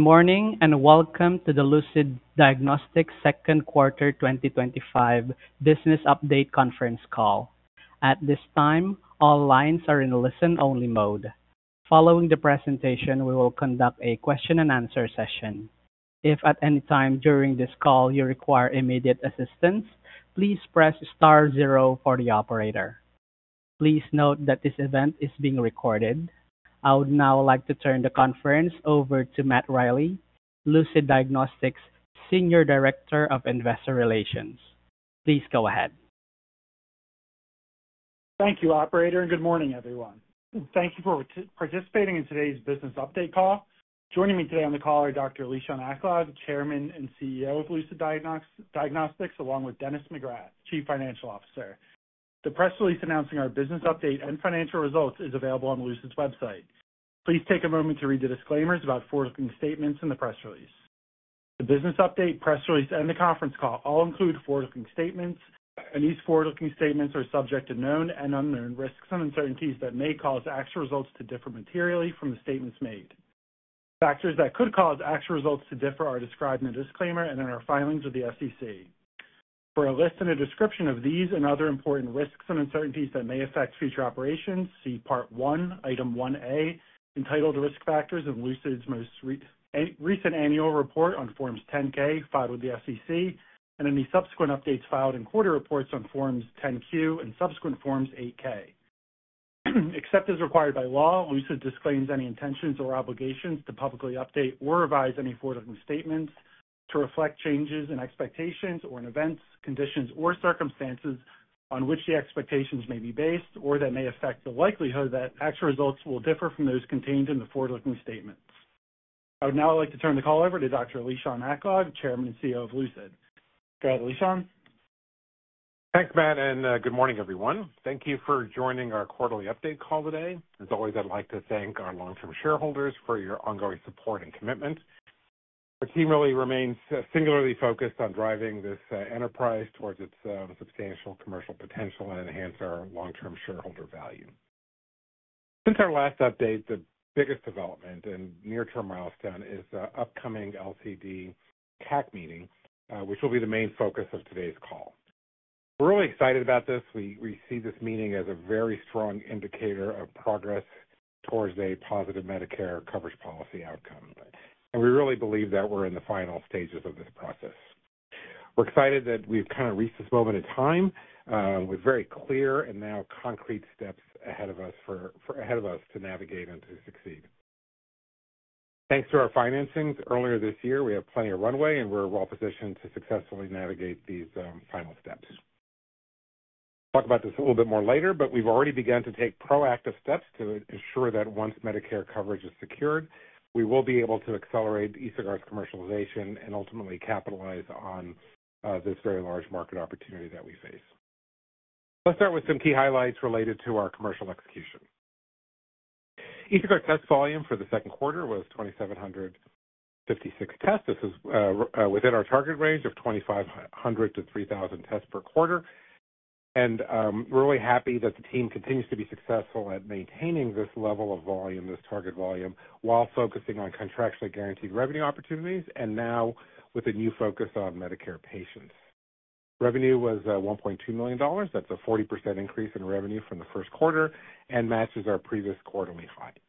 Morning and welcome to the Lucid Diagnostics Second Quarter 2025 Business Update Conference Call. At this time, all lines are in listen-only mode. Following the presentation, we will conduct a question and answer session. If at any time during this call you require immediate assistance, please press star zero for the operator. Please note that this event is being recorded. I would now like to turn the conference over to Matt Riley, Lucid Diagnostics' Senior Director of Investor Relations. Please go ahead. Thank you, operator, and good morning, everyone. Thank you for participating in today's business update call. Joining me today on the call are Dr. Lishan Aklog, Chairman and CEO of Lucid Diagnostics, along with Dennis McGrath, Chief Financial Officer. The press release announcing our business update and financial results is available on Lucid's website. Please take a moment to read the disclaimers about forward-looking statements in the press release. The business update, press release, and the conference call all include forward-looking statements, and these forward-looking statements are subject to known and unknown risks and uncertainties that may cause actual results to differ materially from the statements made. Factors that could cause actual results to differ are described in a disclaimer and in our filings with the SEC. For a list and a description of these and other important risks and uncertainties that may affect future operations, see Part 1, Item 1A, entitled "Risk Factors in Lucid's Most Recent Annual Report on Forms 10-K Filed with the SEC," and any subsequent updates filed in quarterly reports on Forms 10-Q and subsequent Forms 8-K. Except as required by law, PAVmed disclaims any intentions or obligations to publicly update or revise any forward-looking statements to reflect changes in expectations or in events, conditions, or circumstances on which the expectations may be based or that may affect the likelihood that actual results will differ from those contained in the forward-looking statements. I would now like to turn the call over to Dr. Lishan Aklog, Chairman and CEO of Lucid. Go ahead, Lishan. Thanks, Matt, and good morning, everyone. Thank you for joining our quarterly update call today. As always, I'd like to thank our long-term shareholders for your ongoing support and commitment. Our team really remains singularly focused on driving this enterprise towards its substantial commercial potential and enhancing our long-term shareholder value. Since our last update, the biggest development and near-term milestone is the upcoming draft LCD CAC meeting, which will be the main focus of today's call. We're really excited about this. We see this meeting as a very strong indicator of progress towards a positive Medicare coverage policy outcome. We really believe that we're in the final stages of this process. We're excited that we've reached this moment in time with very clear and now concrete steps ahead of us to navigate and to succeed. Thanks to our financing earlier this year, we have plenty of runway and we're well positioned to successfully navigate these final steps. I'll talk about this a little bit more later, but we've already begun to take proactive steps to ensure that once Medicare coverage is secured, we will be able to accelerate EsoGuard commercialization and ultimately capitalize on this very large market opportunity that we face. Let's start with some key highlights related to our commercial execution. EsoGuard test volume for the second quarter was 2,756 tests. This is within our target range of 2,500-3,000 tests per quarter. We're really happy that the team continues to be successful at maintaining this level of volume, this target volume, while focusing on contractually guaranteed revenue opportunities and now with a new focus on Medicare patients. Revenue was $1.2 million. That's a 40% increase in revenue from the first quarter and matches our previous quarterly findings.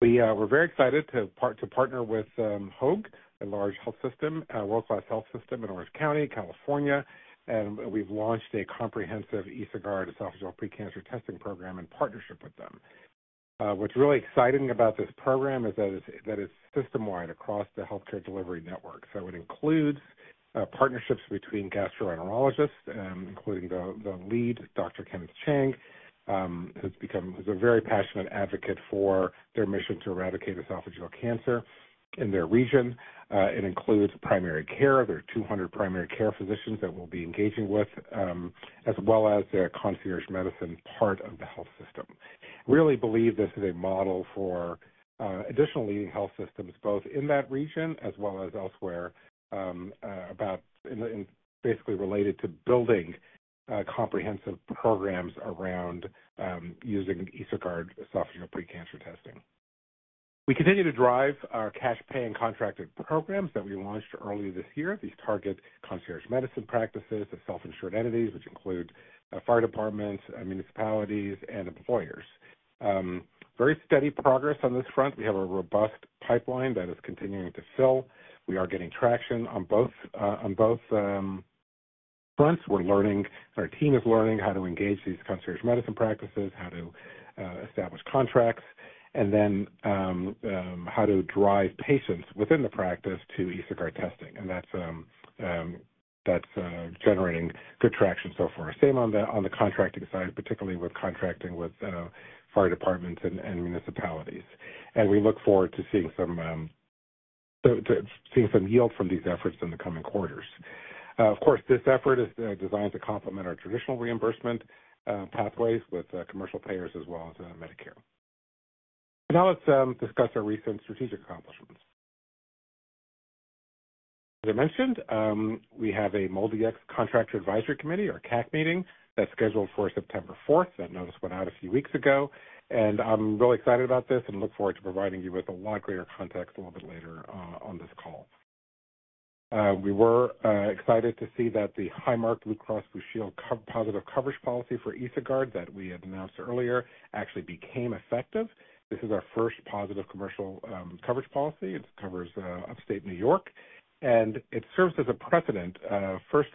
We were very excited to partner with Hoag Health, a large health system, a world-class health system in Orange County, California, and we've launched a comprehensive EsoGuard esophageal precancer testing program in partnership with them. What's really exciting about this program is that it's system-wide across the healthcare delivery network. It includes partnerships between gastroenterologists, including the lead, Dr. Kenneth Chang, who's a very passionate advocate for their mission to eradicate esophageal cancer in their region. It includes primary care. There are 200 primary care physicians that we'll be engaging with, as well as the concierge medicine part of the health system. Really believe this is a model for additional leading health systems, both in that region as well as elsewhere, basically related to building comprehensive programs around using EsoGuard esophageal precancer testing. We continue to drive our cash paying contracted programs that we launched earlier this year. These target concierge medicine practices of self-insured entities, which include fire departments, municipalities, and employers. Very steady progress on this front. We have a robust pipeline that is continuing to fill. We are getting traction on both fronts. We're learning, our team is learning how to engage these concierge medicine practices, how to establish contracts, and then how to drive patients within the practice to EsoGuard testing. That's generating good traction so far. Same on the contracting side, particularly with contracting with fire departments and municipalities. We look forward to seeing some yield from these efforts in the coming quarters. Of course, this effort is designed to complement our traditional reimbursement pathways with commercial payers as well as Medicare. Now let's discuss our recent strategic accomplishments. As I mentioned, we have a MolDX Contractor Advisory Committee, or CAC, meeting that's scheduled for September 4th. That notice went out a few weeks ago. I'm really excited about this and look forward to providing you with a lot greater context a little bit later on this call. We were excited to see that the Highmark Blue Cross Blue Shield positive coverage policy for EsoGuard that we had announced earlier actually became effective. This is our first positive commercial coverage policy. It covers upstate New York, and it serves as a precedent first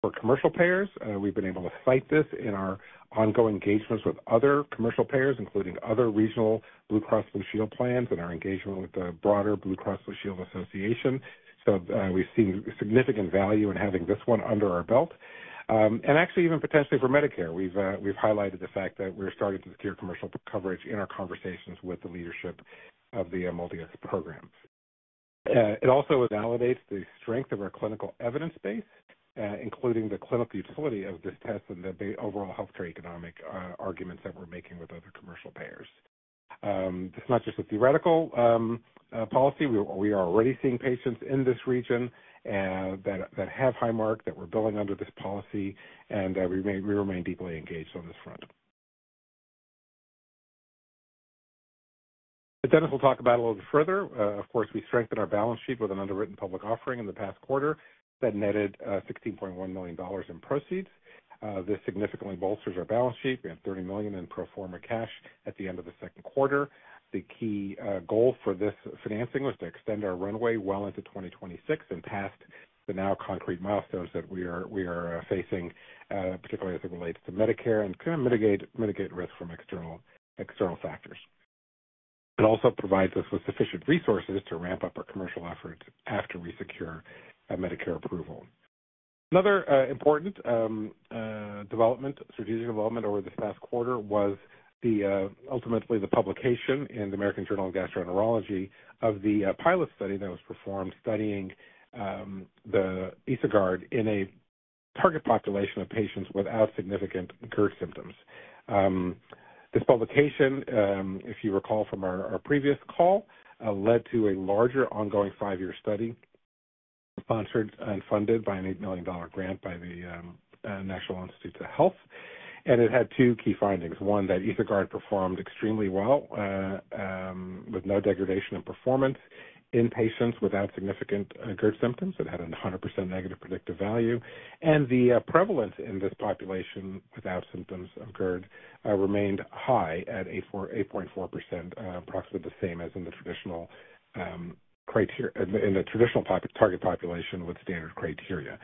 for commercial payers. We've been able to cite this in our ongoing engagements with other commercial payers, including other regional Blue Cross Blue Shield plans and our engagement with the broader Blue Cross Blue Shield Association. We've seen significant value in having this one under our belt. Actually, even potentially for Medicare, we've highlighted the fact that we're starting to secure commercial coverage in our conversations with the leadership of the MolDX programs. It also validates the strength of our clinical evidence base, including the clinical utility of this test and the overall healthcare economic arguments that we're making with other commercial payers. This is not just a theoretical policy. We are already seeing patients in this region that have Highmark that we're billing under this policy, and we remain deeply engaged on this front. Dennis will talk about it a little bit further. Of course, we strengthened our balance sheet with an underwritten public offering in the past quarter that netted $16.1 million in proceeds. This significantly bolsters our balance sheet. We have $30 million in pro forma cash at the end of the second quarter. The key goal for this financing was to extend our runway well into 2026 and past the now concrete milestones that we are facing, particularly as it relates to Medicare and to mitigate risk from external factors. It also provides us with sufficient resources to ramp up our commercial efforts after we secure a Medicare approval. Another important development, strategic development over this past quarter, was ultimately the publication in the American Journal of Gastroenterology of the pilot study that was performed studying the EsoCheck in a target population of patients without significant GERD symptoms. This publication, if you recall from our previous call, led to a larger ongoing five-year study sponsored and funded by an $8 million grant by the National Institutes of Health. It had two key findings. One, that EsoCheck performed extremely well with no degradation in performance in patients without significant GERD symptoms. It had a 100% negative predictive value. The prevalence in this population without symptoms of GERD remained high at 8.4%, approximately the same as in the traditional target population with standard criteria.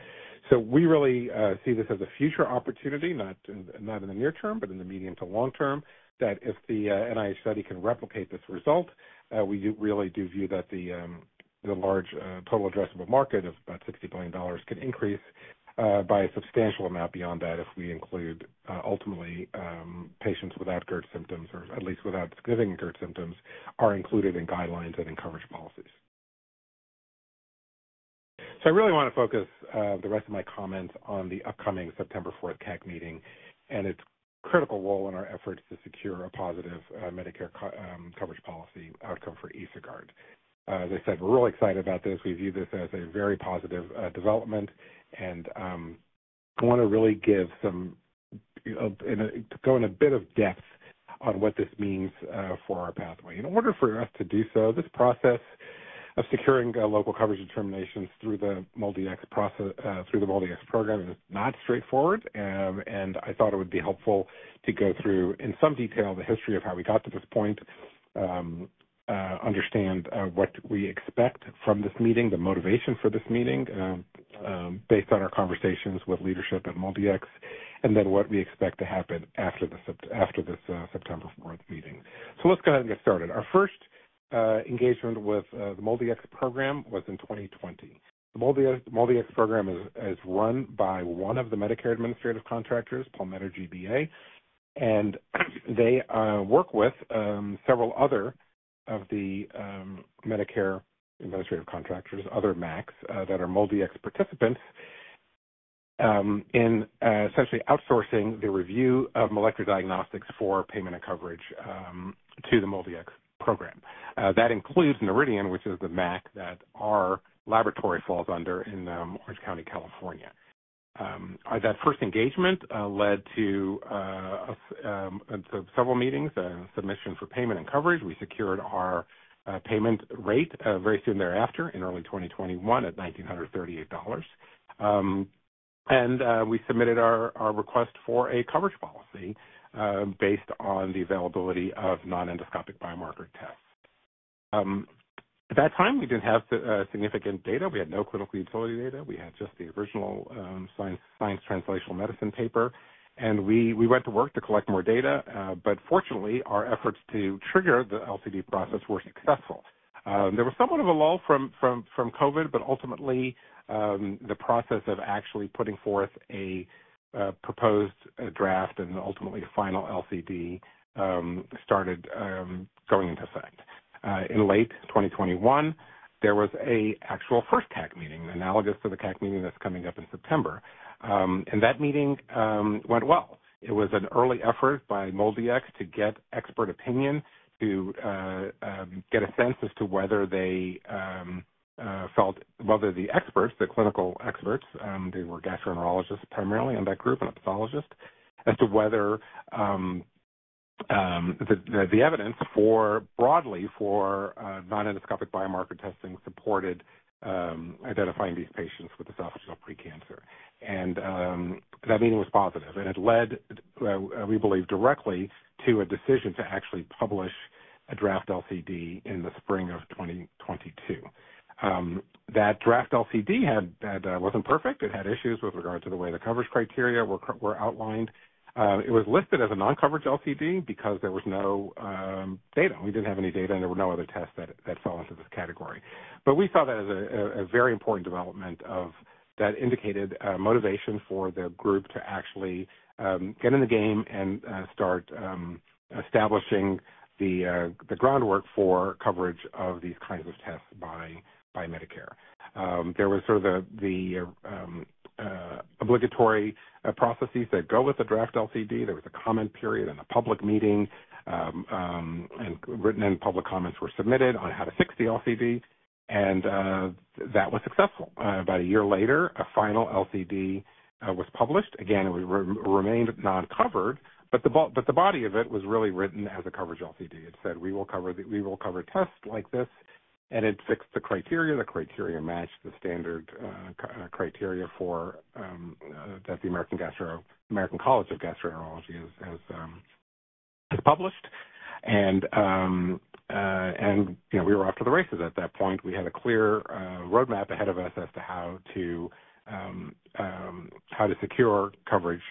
We really see this as a future opportunity, not in the near term, but in the medium to long term, that if the NIH study can replicate this result, we really do view that the large total addressable market of about $60 billion can increase by a substantial amount beyond that if we include ultimately patients without GERD symptoms or at least without significant GERD symptoms are included in guidelines and in coverage policies. I really want to focus the rest of my comments on the upcoming September 4th CAC meeting and its critical role in our efforts to secure a positive Medicare coverage policy outcome for EsoCheck. As I said, we're really excited about this. We view this as a very positive development and want to really go in a bit of depth on what this means for our pathway. In order for us to do so, this process of securing local coverage determinations through the MolDX program is not straightforward. I thought it would be helpful to go through in some detail the history of how we got to this point, understand what we expect from this meeting, the motivation for this meeting based on our conversations with leadership at MolDX, and what we expect to happen after this September 4th meeting. Let's go ahead and get started. Our first engagement with the MolDX program was in 2020. The MolDX program is run by one of the Medicare Administrative Contractors, Palmetto GBA, and they work with several other of the Medicare Administrative Contractors, other MACs that are MolDX participants, in essentially outsourcing the review of molecular diagnostics for payment and coverage to the MolDX program. That includes Noridian, which is the MAC that our laboratory falls under in Orange County, California. That first engagement led to several meetings and submissions for payment and coverage. We secured our payment rate very soon thereafter in early 2021 at $1,938. We submitted our request for a coverage policy based on the availability of non-endoscopic biomarker tests. At that time, we didn't have significant data. We had no clinical utility data. We had just the original Science Translational Medicine paper. We went to work to collect more data. Fortunately, our efforts to trigger the LCD process were successful. There was somewhat of a lull from COVID, but ultimately, the process of actually putting forth a proposed draft and ultimately a final LCD started going into effect. In late 2021, there was an actual first CAC meeting, analogous to the CAC meeting that's coming up in September. That meeting went well. It was an early effort by MolDX to get expert opinion, to get a sense as to whether they felt, whether the experts, the clinical experts, they were gastroenterologists primarily in that group and a pathologist, as to whether the evidence broadly for non-endoscopic biomarker testing supported identifying these patients with esophageal precancer. That meeting was positive. It led, we believe, directly to a decision to actually publish a draft LCD in the spring of 2022. That draft LCD wasn't perfect. It had issues with regard to the way the coverage criteria were outlined. It was listed as a non-coverage LCD because there was no data. We didn't have any data, and there were no other tests that fell into this category. We saw that as a very important development that indicated motivation for the group to actually get in the game and start establishing the groundwork for coverage of these kinds of tests by Medicare. There were obligatory processes that go with the draft LCD. There was a comment period and a public meeting, and written and public comments were submitted on how to fix the LCD. That was successful. About a year later, a final LCD was published. Again, it remained non-covered, but the body of it was really written as a coverage LCD. It said, "We will cover tests like this," and it fixed the criteria. The criteria matched the standard criteria that the American College of Gastroenterology has published. We were off to the races at that point. We had a clear roadmap ahead of us as to how to secure coverage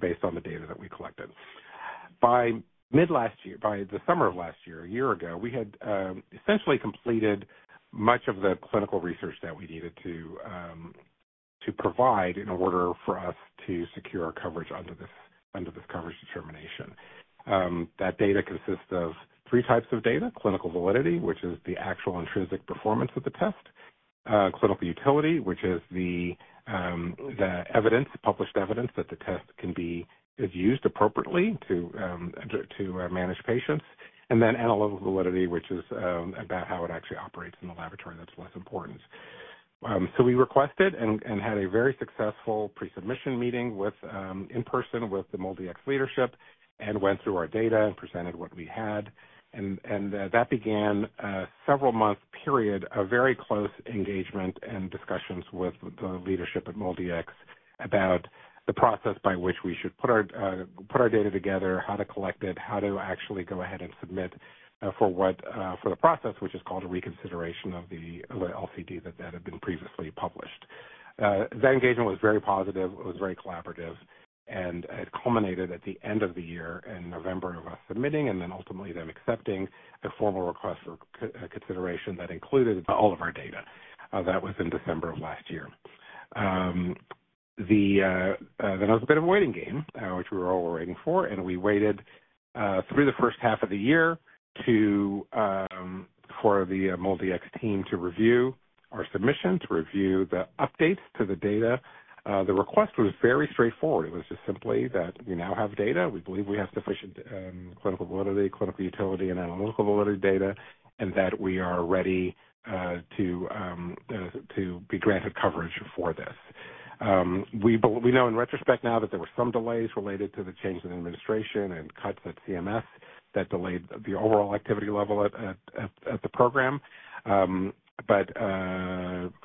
based on the data that we collected. By mid-last year, by the summer of last year, a year ago, we had essentially completed much of the clinical research that we needed to provide in order for us to secure coverage under this coverage determination. That data consists of three types of data: clinical validity, which is the actual intrinsic performance of the test; clinical utility, which is the published evidence that the test can be used appropriately to manage patients; and then analytical validity, which is about how it actually operates in the laboratory. That's less important. We requested and had a very successful pre-submission meeting in person with the MolDX leadership and went through our data and presented what we had. That began a several-month period of very close engagement and discussions with the leadership at MolDX about the process by which we should put our data together, how to collect it, how to actually go ahead and submit for the process, which is called a reconsideration of the LCD that had been previously published. That engagement was very positive. It was very collaborative. It culminated at the end of the year in November of us submitting and then ultimately them accepting a formal request for consideration that included all of our data. That was in December of last year. It was a bit of a waiting game, which we were all waiting for. We waited through the first half of the year for the MolDX team to review our submission, to review the updates to the data. The request was very straightforward. It was simply that we now have data. We believe we have sufficient clinical validity, clinical utility, and analytical validity data, and that we are ready to be granted coverage for this. We know in retrospect now that there were some delays related to the change in administration and cuts at CMS that delayed the overall activity level at the program. A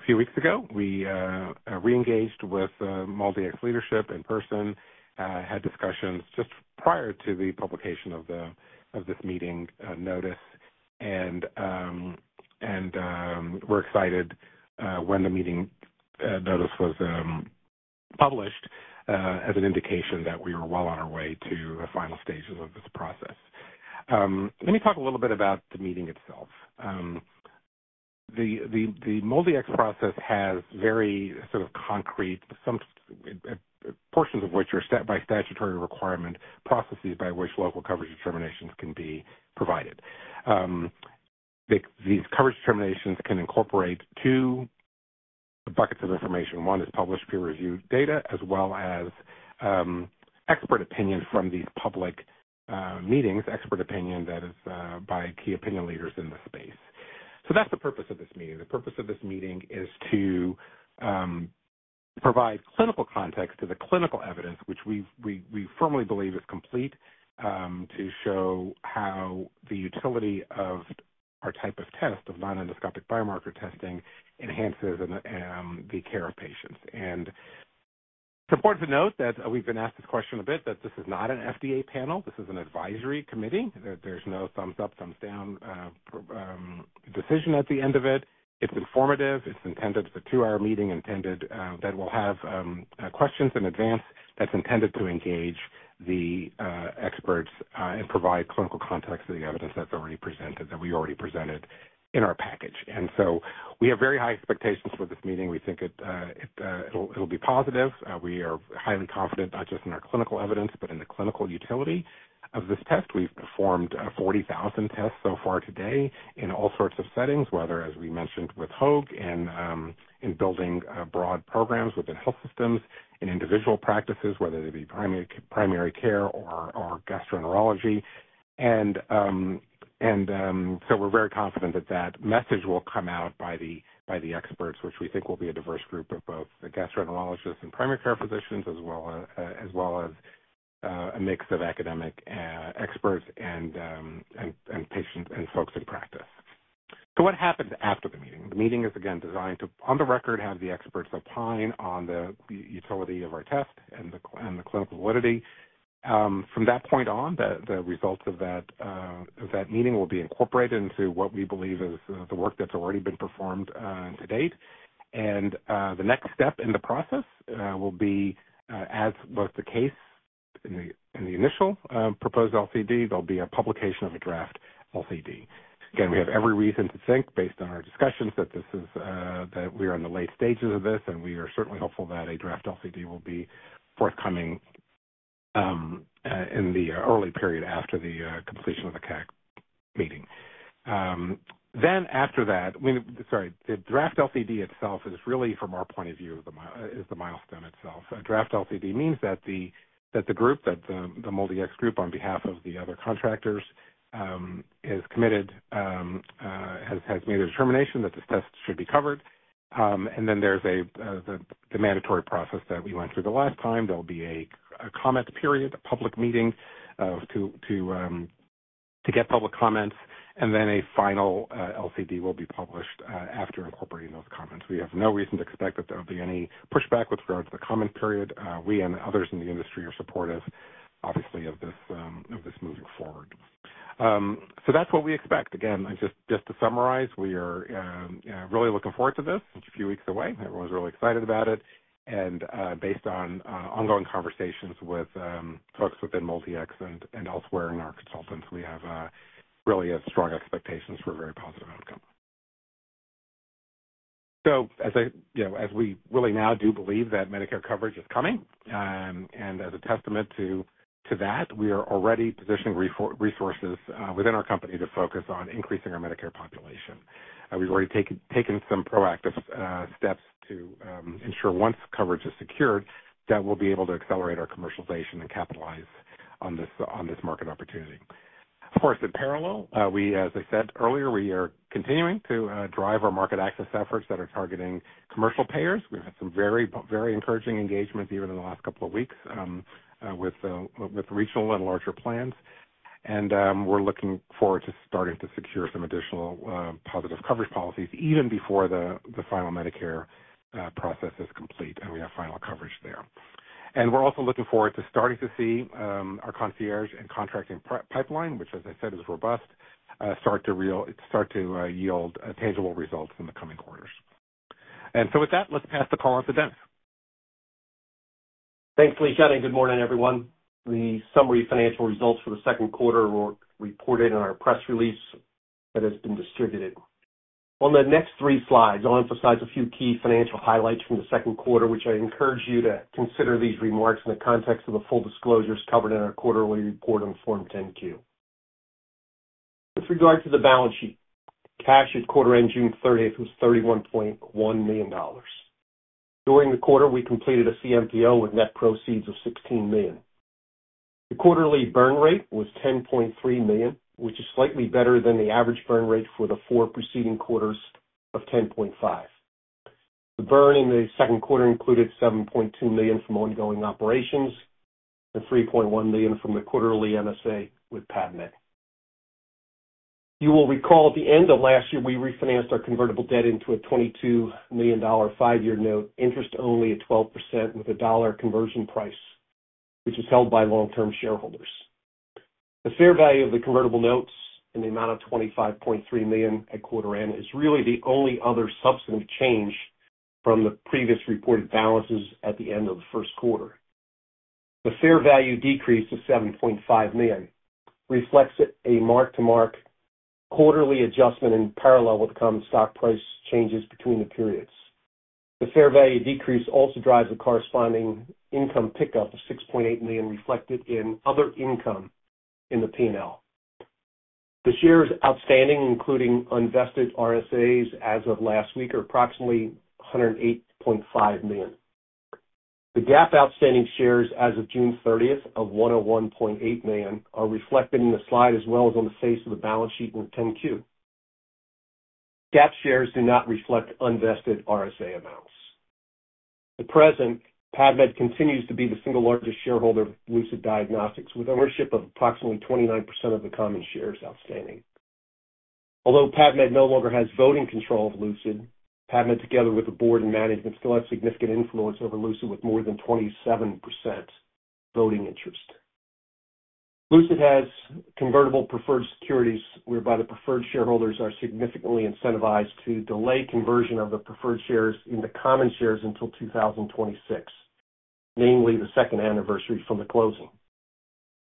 few weeks ago, we re-engaged with MolDX leadership in person, had discussions just prior to the publication of this meeting notice. We were excited when the meeting notice was published as an indication that we were well on our way to the final stages of this process. Let me talk a little bit about the meeting itself. The MolDX process has very concrete portions, which are by statutory requirement, processes by which Local Coverage Determinations can be provided. These coverage determinations can incorporate two buckets of information. One is published peer-reviewed data, as well as expert opinions from these public meetings, expert opinion that is by key opinion leaders in the space. The purpose of this meeting is to provide clinical context to the clinical evidence, which we firmly believe is complete, to show how the utility of our type of test of non-endoscopic biomarker testing enhances the care of patients. It is important to note that we've been asked this question a bit, that this is not an FDA panel. This is an advisory committee. There is no thumbs up, thumbs down decision at the end of it. It is informative. It is a two-hour meeting that will have questions in advance, intended to engage the experts and provide clinical context to the evidence that's already presented, that we already presented in our package. We have very high expectations for this meeting. We think it'll be positive. We are highly confident, not just in our clinical evidence, but in the clinical utility of this test. We've performed 40,000 tests so far today in all sorts of settings, whether, as we mentioned with Hoag Health, in building broad programs within health systems, in individual practices, whether they be primary care or gastroenterology. We are very confident that message will come out by the experts, which we think will be a diverse group of both gastroenterologists and primary care physicians, as well as a mix of academic experts and patients and folks in practice. What happens after the meeting? The meeting is, again, designed to, on the record, have the experts opine on the utility of our test and the clinical validity. From that point on, the results of that meeting will be incorporated into what we believe is the work that's already been performed to date. The next step in the process will be, as was the case in the initial proposed LCD, there will be a publication of a draft LCD. We have every reason to think, based on our discussions, that we are in the late stages of this, and we are certainly hopeful that a draft LCD will be forthcoming in the early period after the completion of the CAC meeting. The draft LCD itself is really, from our point of view, the milestone itself. A draft LCD means that the group, that the MolDX group on behalf of the other contractors, is committed, has made a determination that the test should be covered. There is the mandatory process that we went through the last time. There will be a comment period, a public meeting to get public comments, and a final LCD will be published after incorporating those comments. We have no reason to expect that there will be any pushback with regard to the comment period. We and others in the industry are supportive, obviously, of this moving forward. That is what we expect. Just to summarize, we are really looking forward to this. It's a few weeks away. Everyone's really excited about it. Based on ongoing conversations with folks within MolDX and elsewhere in our consultants, we have really strong expectations for a very positive outcome. We really now do believe that Medicare coverage is coming, and as a testament to that, we are already positioning resources within our company to focus on increasing our Medicare population. We've already taken some proactive steps to ensure once coverage is secured, that we'll be able to accelerate our commercialization and capitalize on this market opportunity. Of course, in parallel, as I said earlier, we are continuing to drive our market access efforts that are targeting commercial payers. We've had some very, very encouraging engagements even in the last couple of weeks with regional and larger plans. We're looking forward to starting to secure some additional positive coverage policies even before the final Medicare process is complete and we have final coverage there. We're also looking forward to starting to see our concierge and contracting pipeline, which, as I said, is robust, start to yield tangible results in the coming quarters. With that, let's pass the call up to Dennis. Thanks, Lishan. Good morning, everyone. The summary financial results for the second quarter were reported in our press release that has been distributed. On the next three slides, I'll emphasize a few key financial highlights from the second quarter. I encourage you to consider these remarks in the context of the full disclosures covered in our quarterly report on Form 10-Q. With regard to the balance sheet, cash at quarter end June 30th was $31.1 million. During the quarter, we completed a CMPO with net proceeds of $16 million. The quarterly burn rate was $10.3 million, which is slightly better than the average burn rate for the four preceding quarters of $10.5 million. The burn in the second quarter included $7.2 million from ongoing operations and $3.1 million from the quarterly MSA with PAVmed. You will recall at the end of last year, we refinanced our convertible debt into a $22 million five-year note, interest only at 12% with a $1 conversion price, which is held by long-term shareholders. The fair value of the convertible notes in the amount of $25.3 million at quarter end is really the only other substantive change from the previously reported balances at the end of the first quarter. The fair value decrease of $7.5 million reflects a mark-to-market quarterly adjustment in parallel with the common stock price changes between the periods. The fair value decrease also drives a corresponding income pickup of $6.8 million reflected in other income in the P&L. The shares outstanding, including unvested RSAs as of last week, are approximately 108.5 million. The GAAP outstanding shares as of June 30th of $101.8 million are reflected in the slide as well as on the face of the balance sheet with the 10-Q. GAAP shares do not reflect unvested RSA amounts. At present, PAVmed continues to be the single largest shareholder of Lucid Diagnostics with ownership of approximately 29% of the common shares outstanding. Although PAVmed no longer has voting control of Lucid, PAVmed, together with the board and management, still has significant influence over Lucid with more than 27% voting interest. Lucid has convertible preferred securities whereby the preferred shareholders are significantly incentivized to delay conversion of the preferred shares into common shares until 2026, namely the second anniversary from the closing.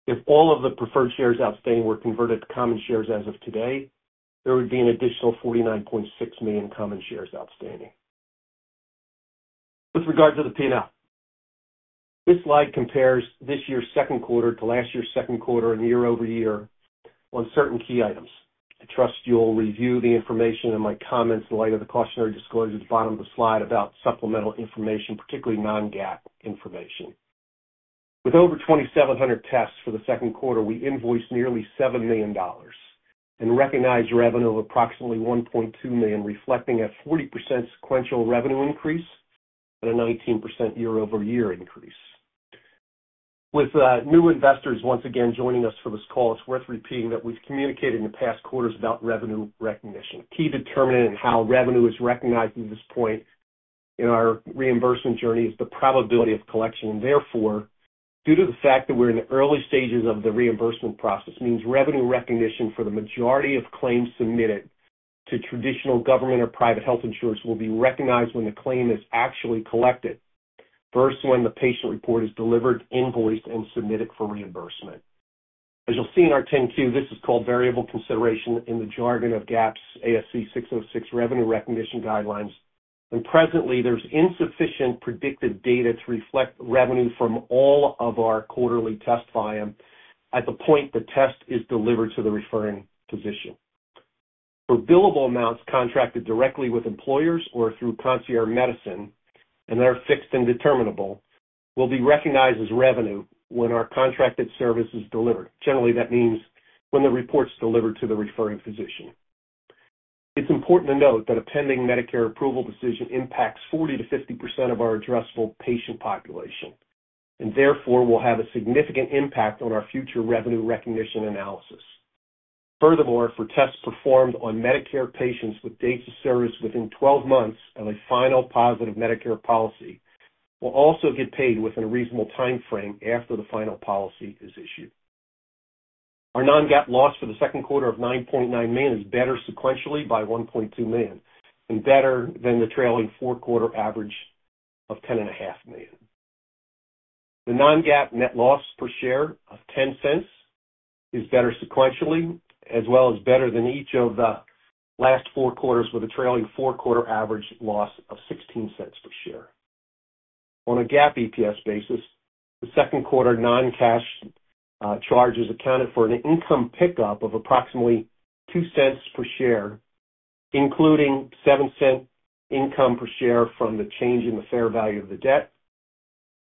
If all of the preferred shares outstanding were converted to common shares as of today, there would be an additional 49.6 million common shares outstanding. With regard to the P&L, this slide compares this year's second quarter to last year's second quarter and year-over-year on certain key items. I trust you will review the information in my comments in light of the cautionary disclosure at the bottom of the slide about supplemental information, particularly non-GAAP information. With over 2,700 tests for the second quarter, we invoiced nearly $7 million and recognized revenue of approximately $1.2 million, reflecting a 40% sequential revenue increase and a 19% year-over-year increase. With new investors once again joining us for this call, it's worth repeating that we've communicated in the past quarters about revenue recognition. Key to determining how revenue is recognized at this point in our reimbursement journey is the probability of collection. Therefore, due to the fact that we're in the early stages of the reimbursement process, it means revenue recognition for the majority of claims submitted to traditional government or private health insurance will be recognized when the claim is actually collected versus when the patient report is delivered, invoiced, and submitted for reimbursement. As you'll see in our 10-Q, this is called variable consideration in the jargon of GAAP's ASC 606 revenue recognition guidelines. Presently, there's insufficient predictive data to reflect revenue from all of our quarterly test volume at the point the test is delivered to the referring physician. For billable amounts contracted directly with employers or through concierge medicine, and they're fixed and determinable, revenue will be recognized when our contracted service is delivered. Generally, that means when the report's delivered to the referring physician. It's important to note that a pending Medicare approval decision impacts 40%-50% of our addressable patient population. Therefore, it will have a significant impact on our future revenue recognition analysis. Furthermore, for tests performed on Medicare patients with date of service within 12 months of a final positive Medicare policy, we'll also get paid within a reasonable time frame after the final policy is issued. Our non-GAAP loss for the second quarter of $9.9 million is better sequentially by $1.2 million and better than the trailing four-quarter average of $10.5 million. The non-GAAP net loss per share of $0.10 is better sequentially, as well as better than each of the last four quarters with a trailing four-quarter average loss of $0.16 per share. On a GAAP EPS basis, the second quarter non-cash charges accounted for an income pickup of approximately $0.02 per share, including $0.07 income per share from the change in the fair value of the debt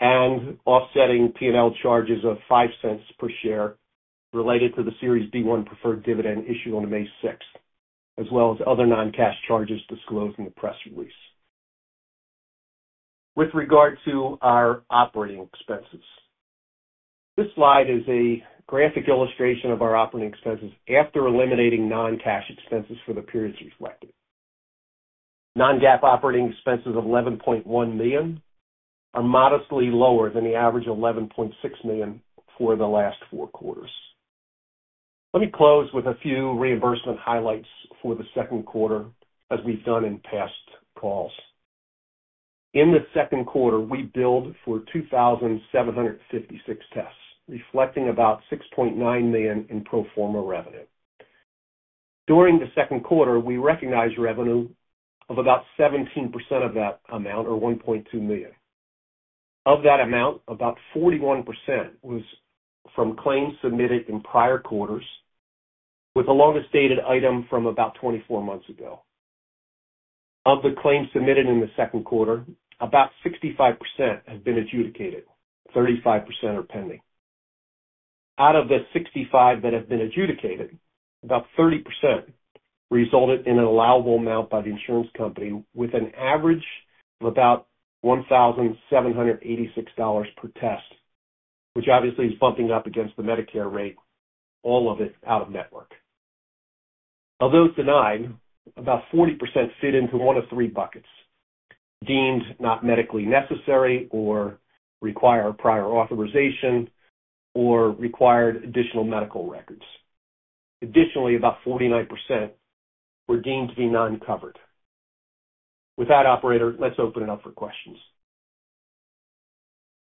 and offsetting P&L charges of $0.05 per share related to the Series B-1 preferred dividend issued on May 6th, as well as other non-cash charges disclosed in the press release. With regard to our operating expenses, this slide is a graphic illustration of our operating expenses after eliminating non-cash expenses for the periods reflected. Non-GAAP operating expenses of $11.1 million are modestly lower than the average of $11.6 million for the last four quarters. Let me close with a few reimbursement highlights for the second quarter, as we've done in past calls. In the second quarter, we billed for 2,756 tests, reflecting about $6.9 million in pro forma revenue. During the second quarter, we recognized revenue of about 17% of that amount, or $1.2 million. Of that amount, about 41% was from claims submitted in prior quarters, with the longest dated item from about 24 months ago. Of the claims submitted in the second quarter, about 65% have been adjudicated. 35% are pending. Out of the 65% that have been adjudicated, about 30% resulted in an allowable amount by the insurance company with an average of about $1,786 per test, which obviously is bumping up against the Medicare rate, all of it out of network. Although denied, about 40% fit into one of three buckets: deemed not medically necessary or require prior authorization or required additional medical records. Additionally, about 49% were deemed to be non-covered. With that, operator, let's open it up for questions.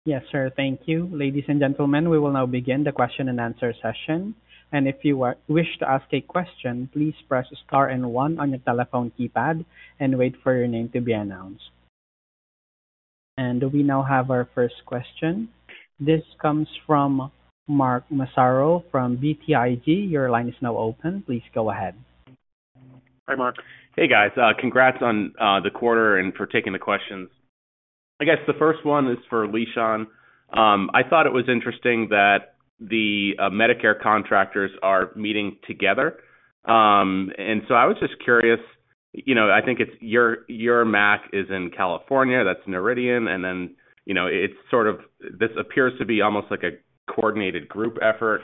Yes, sir. Thank you. Ladies and gentlemen, we will now begin the question and answer session. If you wish to ask a question, please press star and one on your telephone keypad and wait for your name to be announced. We now have our first question. This comes from Mark Massaro from BTIG. Your line is now open. Please go ahead. Hi, Mark. Hey, guys. Congrats on the quarter and for taking the questions. I guess the first one is for Lishan. I thought it was interesting that the Medicare contractors are meeting together. I was just curious, you know, I think it's your MAC is in California. That's Noridian. It sort of appears to be almost like a coordinated group effort.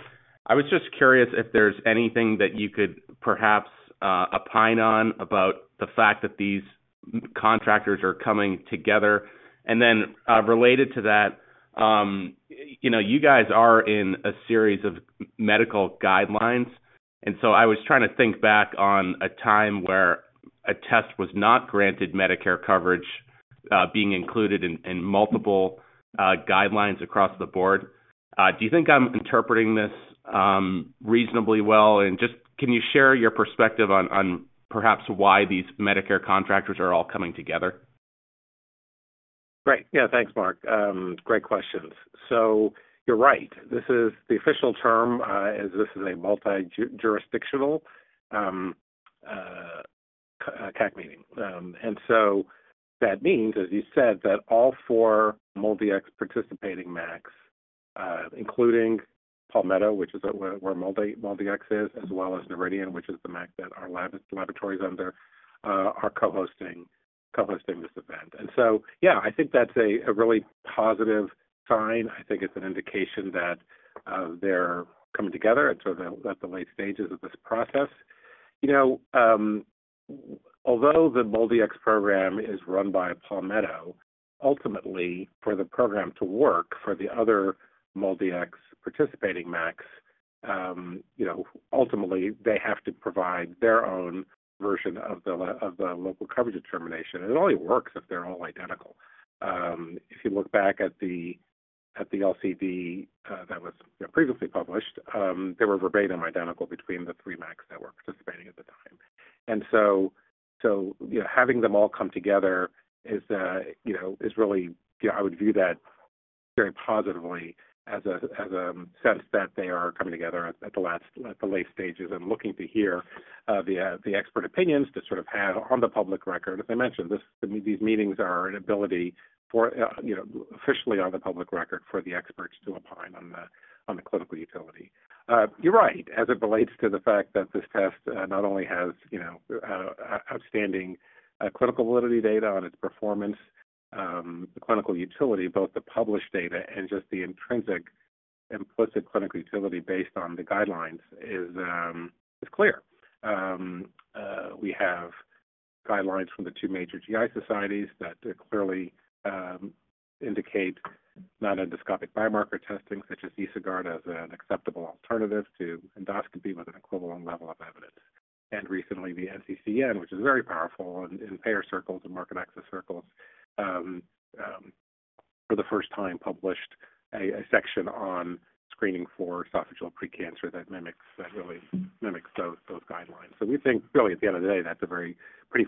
I was just curious if there's anything that you could perhaps opine on about the fact that these contractors are coming together. Related to that, you know, you guys are in a series of medical guidelines. I was trying to think back on a time where a test was not granted Medicare coverage being included in multiple guidelines across the board. Do you think I'm interpreting this reasonably well? Can you share your perspective on perhaps why these Medicare contractors are all coming together? Great. Yeah. Thanks, Mark. Great questions. You're right. The official term is this is a multi-jurisdictional CAC meeting. That means, as you said, that all four MolDX participating MACs, including Palmetto GBA, which is where MolDX is, as well as Noridian, which is the MAC that our laboratories are under, are co-hosting this event. I think that's a really positive sign. I think it's an indication that they're coming together at the late stages of this process. Although the MolDX program is run by Palmetto GBA, ultimately, for the program to work for the other MolDX participating MACs, they have to provide their own version of the Local Coverage Determination. It only works if they're all identical. If you look back at the LCD that was previously published, they were verbatim identical between the three MACs that were participating at the time. Having them all come together is, you know, I would view that very positively as a sense that they are coming together at the late stages and looking to hear the expert opinions to have on the public record. As I mentioned, these meetings are an ability for, officially on the public record, for the experts to opine on the clinical utility. You're right. As it relates to the fact that this test not only has outstanding clinical validity data on its performance, the clinical utility, both the published data and just the intrinsic implicit clinical utility based on the guidelines, is clear. We have guidelines from the two major GI societies that clearly indicate non-endoscopic biomarker testing, such as EsoCheck, as an acceptable alternative to endoscopy with an equivalent level of evidence. Recently, the National Comprehensive Cancer Network, which is very powerful in payer circles and market access circles, for the first time published a section on screening for esophageal precancer that really mimics both guidelines. We think at the end of the day, that's a pretty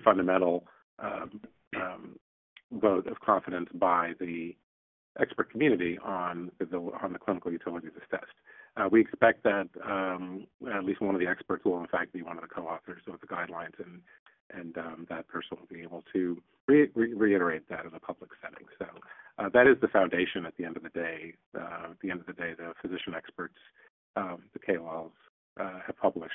fundamental vote of confidence by the expert community on the clinical utility of this test. We expect that at least one of the experts will, in fact, be one of the co-authors of the guidelines, and that person will be able to reiterate that in a public setting. That is the foundation at the end of the day. At the end of the day, the physician experts, the KOLs, have published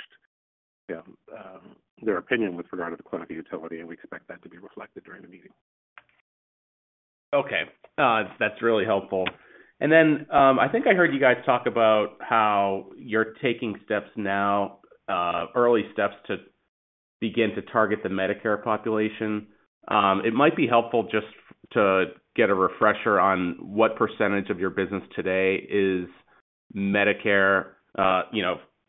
their opinion with regard to the clinical utility, and we expect that to be reflected during the meeting. Okay. That's really helpful. I think I heard you guys talk about how you're taking steps now, early steps to begin to target the Medicare population. It might be helpful just to get a refresher on what percentage of your business today is Medicare.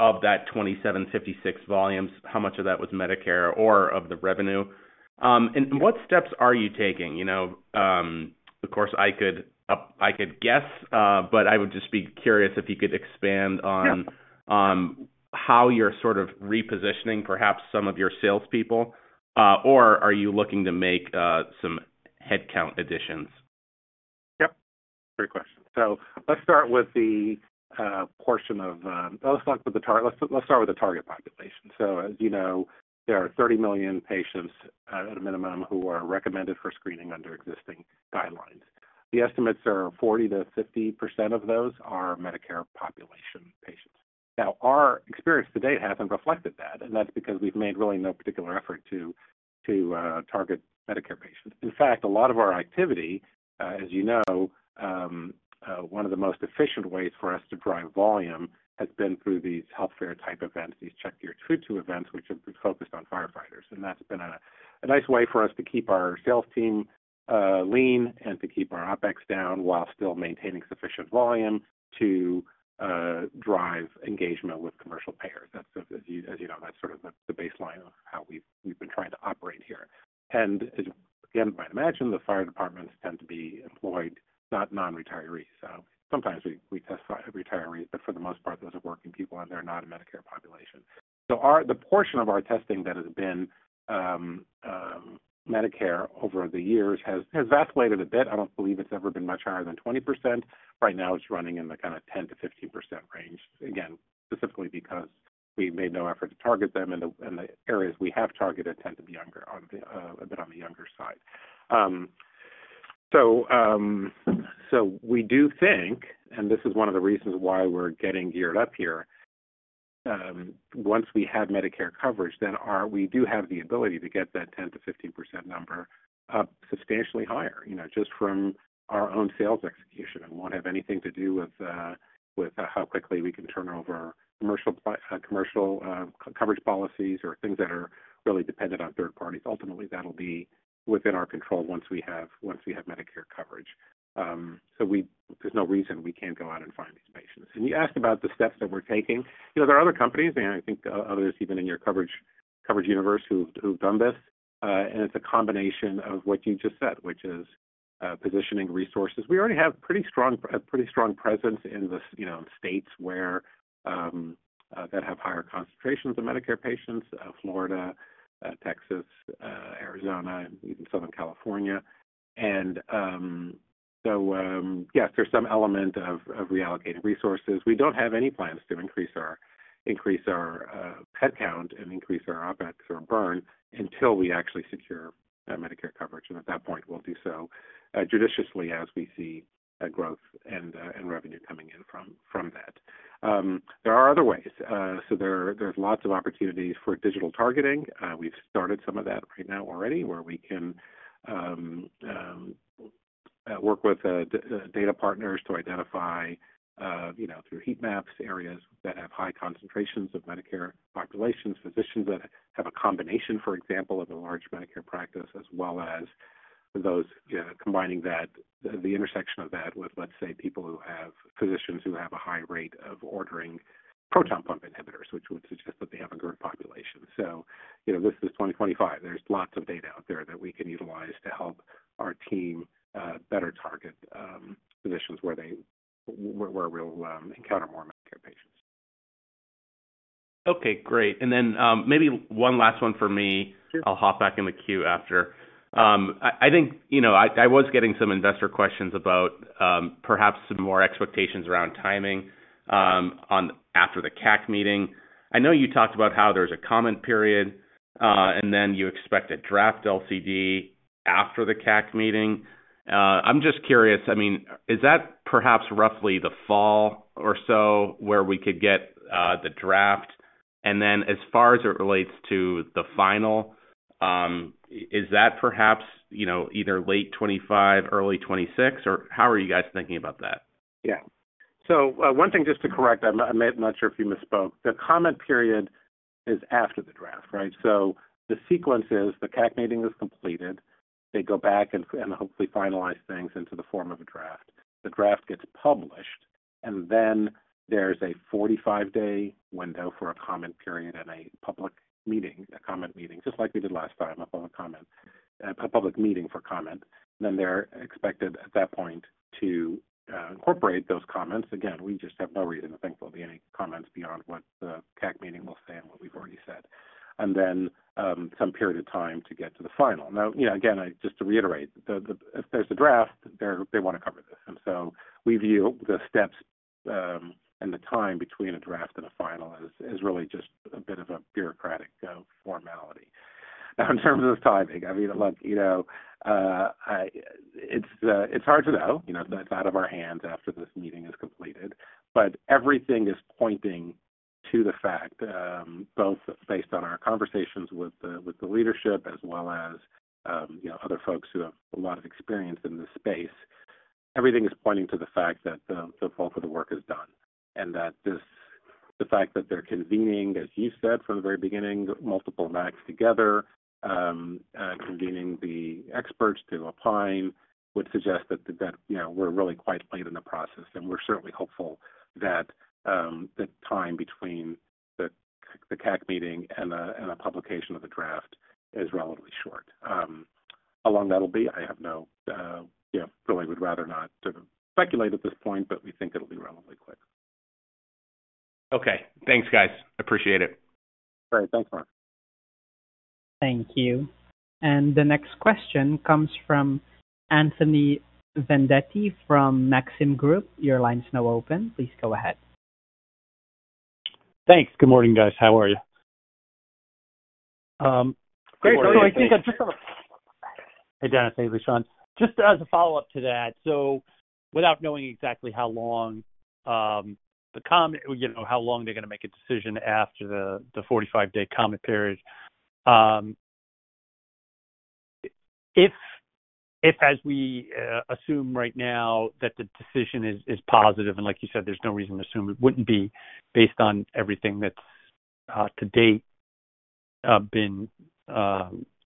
Of that 2,756 volumes, how much of that was Medicare or of the revenue? What steps are you taking? Of course, I could guess, but I would just be curious if you could expand on how you're sort of repositioning perhaps some of your salespeople, or are you looking to make some headcount additions? Yep. Great question. Let's start with the portion of, let's start with the target population. As you know, there are 30 million patients at a minimum who are recommended for screening under existing guidelines. The estimates are 40%-50% of those are Medicare population patients. Our experience to date hasn't reflected that, and that's because we've made really no particular effort to target Medicare patients. In fact, a lot of our activity, as you know, one of the most efficient ways for us to drive volume has been through these health fair type events, these Check Your True To events, which have been focused on firefighters. That's been a nice way for us to keep our sales team lean and to keep our OpEx down while still maintaining sufficient volume to drive engagement with commercial payers. That's, as you know, that's sort of the baseline of how we've been trying to operate here. As you might imagine, the fire departments tend to be employed, not non-retirees. Sometimes we test retirees, but for the most part, those are working people, and they're not a Medicare population. The portion of our testing that has been Medicare over the years has vacillated a bit. I don't believe it's ever been much higher than 20%. Right now, it's running in the kind of 10%-15% range, specifically because we've made no effort to target them, and the areas we have targeted tend to be a bit on the younger side. We do think, and this is one of the reasons why we're getting geared up here, once we have Medicare coverage, then we do have the ability to get that 10%-15% number up substantially higher, just from our own sales execution and it won't have anything to do with how quickly we can turn over commercial coverage policies or things that are really dependent on third parties. Ultimately, that'll be within our control once we have Medicare coverage. There's no reason we can't go out and find these patients. You asked about the steps that we're taking. There are other companies, and I think others even in your coverage universe who've done this. It's a combination of what you just said, which is positioning resources. We already have a pretty strong presence in the states that have higher concentrations of Medicare patients: Florida, Texas, Arizona, and even Southern California. Yes, there's some element of reallocating resources. We don't have any plans to increase our headcount and increase our OpEx or burn until we actually secure Medicare coverage. At that point, we'll do so judiciously as we see growth and revenue coming in from that. There are other ways. There are lots of opportunities for digital targeting. We've started some of that right now already where we can work with data partners to identify, through heat maps, areas that have high concentrations of Medicare populations, physicians that have a combination, for example, of a large Medicare practice, as well as those combining that, the intersection of that with, let's say, people who have physicians who have a high rate of ordering proton pump inhibitors, which would suggest that they have a GERD population. This is 2025. There's lots of data out there that we can utilize to help our team better target positions where we'll encounter more Medicare patients. Okay. Great. Maybe one last one for me. I'll hop back in the queue after. I think, you know, I was getting some investor questions about perhaps some more expectations around timing after the CAC meeting. I know you talked about how there's a comment period, and then you expect a draft LCD after the CAC meeting. I'm just curious, I mean, is that perhaps roughly the fall or so where we could get the draft? As far as it relates to the final, is that perhaps, you know, either late 2025, early 2026, or how are you guys thinking about that? Yeah. One thing just to correct, I'm not sure if you misspoke. The comment period is after the draft, right? The sequence is the CAC meeting is completed. They go back and hopefully finalize things into the form of a draft. The draft gets published, and then there's a 45-day window for a comment period and a public meeting, a comment meeting, just like we did last time, a public comment, a public meeting for comment. They're expected at that point to incorporate those comments. Again, we just have no reason, thankfully, any comments beyond what the CAC meeting will say and what we've already said. Some period of time to get to the final. Now, you know, again, just to reiterate, if there's a draft, they want to cover this. We view the steps and the time between a draft and a final as really just a bit of a bureaucratic formality. In terms of timing, I mean, look, you know, it's hard to know. That's out of our hands after this meeting is completed. Everything is pointing to the fact, both based on our conversations with the leadership as well as, you know, other folks who have a lot of experience in this space, everything is pointing to the fact that the bulk of the work is done. The fact that they're convening, as you said from the very beginning, multiple MACs together, convening the experts to opine would suggest that, you know, we're really quite late in the process. We're certainly hopeful that the time between the CAC meeting and the publication of the draft is relatively short. How long that'll be, I have no, you know, really would rather not sort of speculate at this point, but we think it'll be relatively quick. Okay. Thanks, guys. I appreciate it. All right. Thanks, Mark. Thank you. The next question comes from Anthony Vendetti from Maxim Group. Your line's now open. Please go ahead. Thanks. Good morning, guys. How are you? Great. I think I'm just on the... Hey, Dennis. Hey, Lishan. Just as a follow-up to that. Without knowing exactly how long the comment, you know, how long they're going to make a decision after the 45-day comment period, if, as we assume right now, that the decision is positive, and like you said, there's no reason to assume it wouldn't be based on everything that's to date been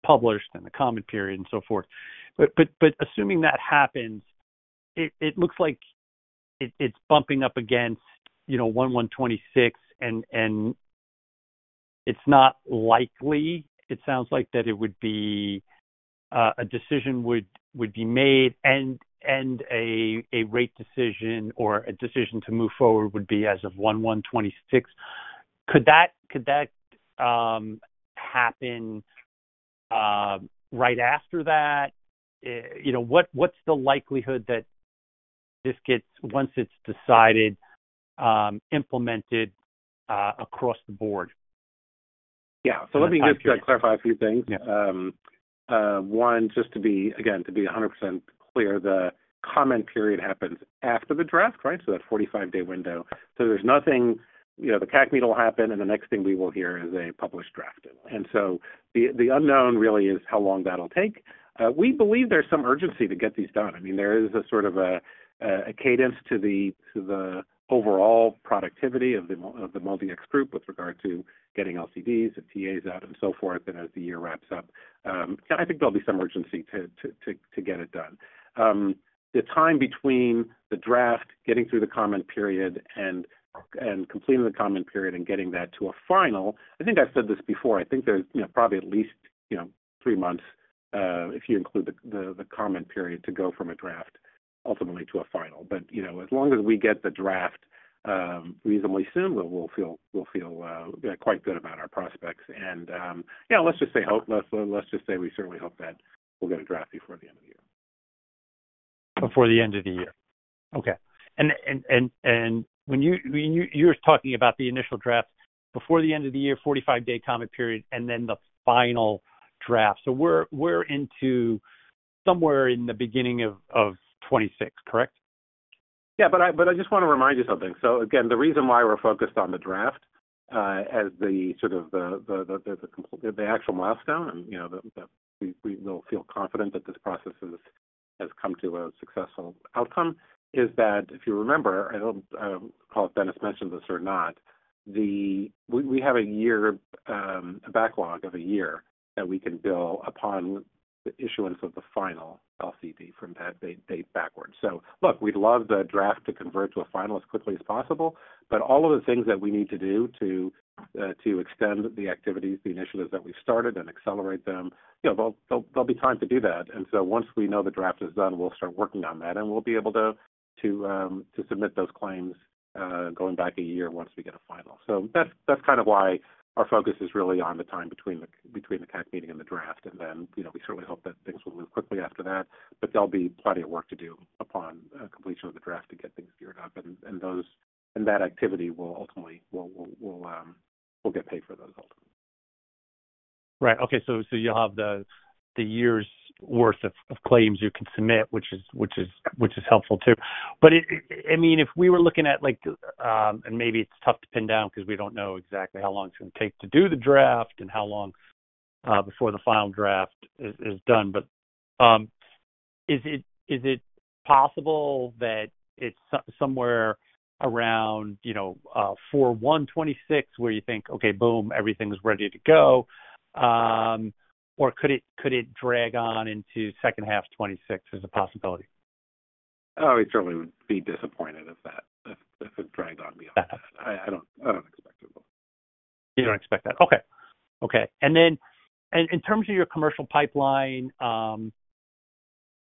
published and the comment period and so forth. Assuming that happens, it looks like it's bumping up against, you know, 1/1/2026, and it's not likely. It sounds like that it would be a decision would be made, and a rate decision or a decision to move forward would be as of 1/1/2026. Could that happen right after that? What's the likelihood that this gets once it's decided, implemented across the board? Yeah. Let me just clarify a few things. One, just to be 100% clear, the comment period happens after the draft, right? That 45-day window. There's nothing, you know, the CAC meeting will happen, and the next thing we will hear is a published draft. The unknown really is how long that'll take. We believe there's some urgency to get these done. There is a sort of cadence to the overall productivity of the MolDX group with regard to getting LCDs and TAs out and so forth. As the year wraps up, I think there'll be some urgency to get it done. The time between the draft, getting through the comment period, and completing the comment period and getting that to a final, I think I've said this before. I think there's probably at least, you know, three months if you include the comment period to go from a draft ultimately to a final. As long as we get the draft reasonably soon, we'll feel quite good about our prospects. Let's just say we certainly hope that we'll get a draft before the end of the year. Before the end of the year. Okay. When you were talking about the initial draft before the end of the year, 45-day comment period, and then the final draft, we're into somewhere in the beginning of 2026, correct? Yeah. I just want to remind you of something. The reason why we're focused on the draft as the actual milestone, and you know that we will feel confident that this process has come to a successful outcome, is that if you remember, I don't know if Dennis mentioned this or not, we have a backlog of a year that we can bill upon the issuance of the final LCD from that date backwards. We'd love the draft to convert to a final as quickly as possible. All of the things that we need to do to extend the activities, the initiatives that we've started and accelerate them, there'll be time to do that. Once we know the draft is done, we'll start working on that. We'll be able to submit those claims going back a year once we get a final. That's kind of why our focus is really on the time between the CAC meeting and the draft. We certainly hope that things will move quickly after that. There'll be plenty of work to do upon completion of the draft to get things geared up, and that activity will ultimately get paid for those ultimately. Right. Okay. You'll have the year's worth of claims you can submit, which is helpful too. I mean, if we were looking at, like, and maybe it's tough to pin down because we don't know exactly how long it's going to take to do the draft and how long before the final draft is done. Is it possible that it's somewhere around 4/1/2026 where you think, "Okay, boom, everything's ready to go"? Could it drag on into the second half of 2026 as a possibility? We'd certainly be disappointed if it dragged on beyond that. I don't expect it. You don't expect that. Okay. In terms of your commercial pipeline,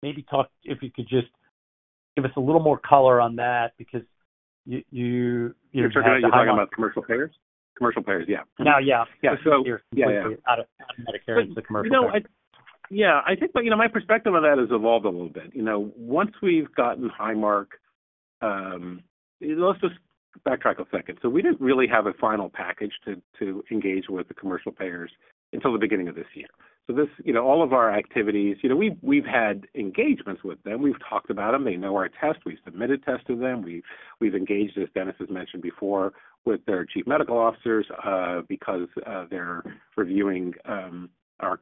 maybe talk if you could just give us a little more color on that because you're talking about commercial payers? Commercial payers, yeah. Yeah, out of Medicare into commercial payers. Yeah. I think, but you know, my perspective on that has evolved a little bit. Once we've gotten Highmark, let's just backtrack a second. We didn't really have a final package to engage with the commercial payers until the beginning of this year. All of our activities, we've had engagements with them. We've talked about them. They know our test. We've submitted tests to them. We've engaged, as Dennis has mentioned before, with their Chief Medical Officers because they're reviewing our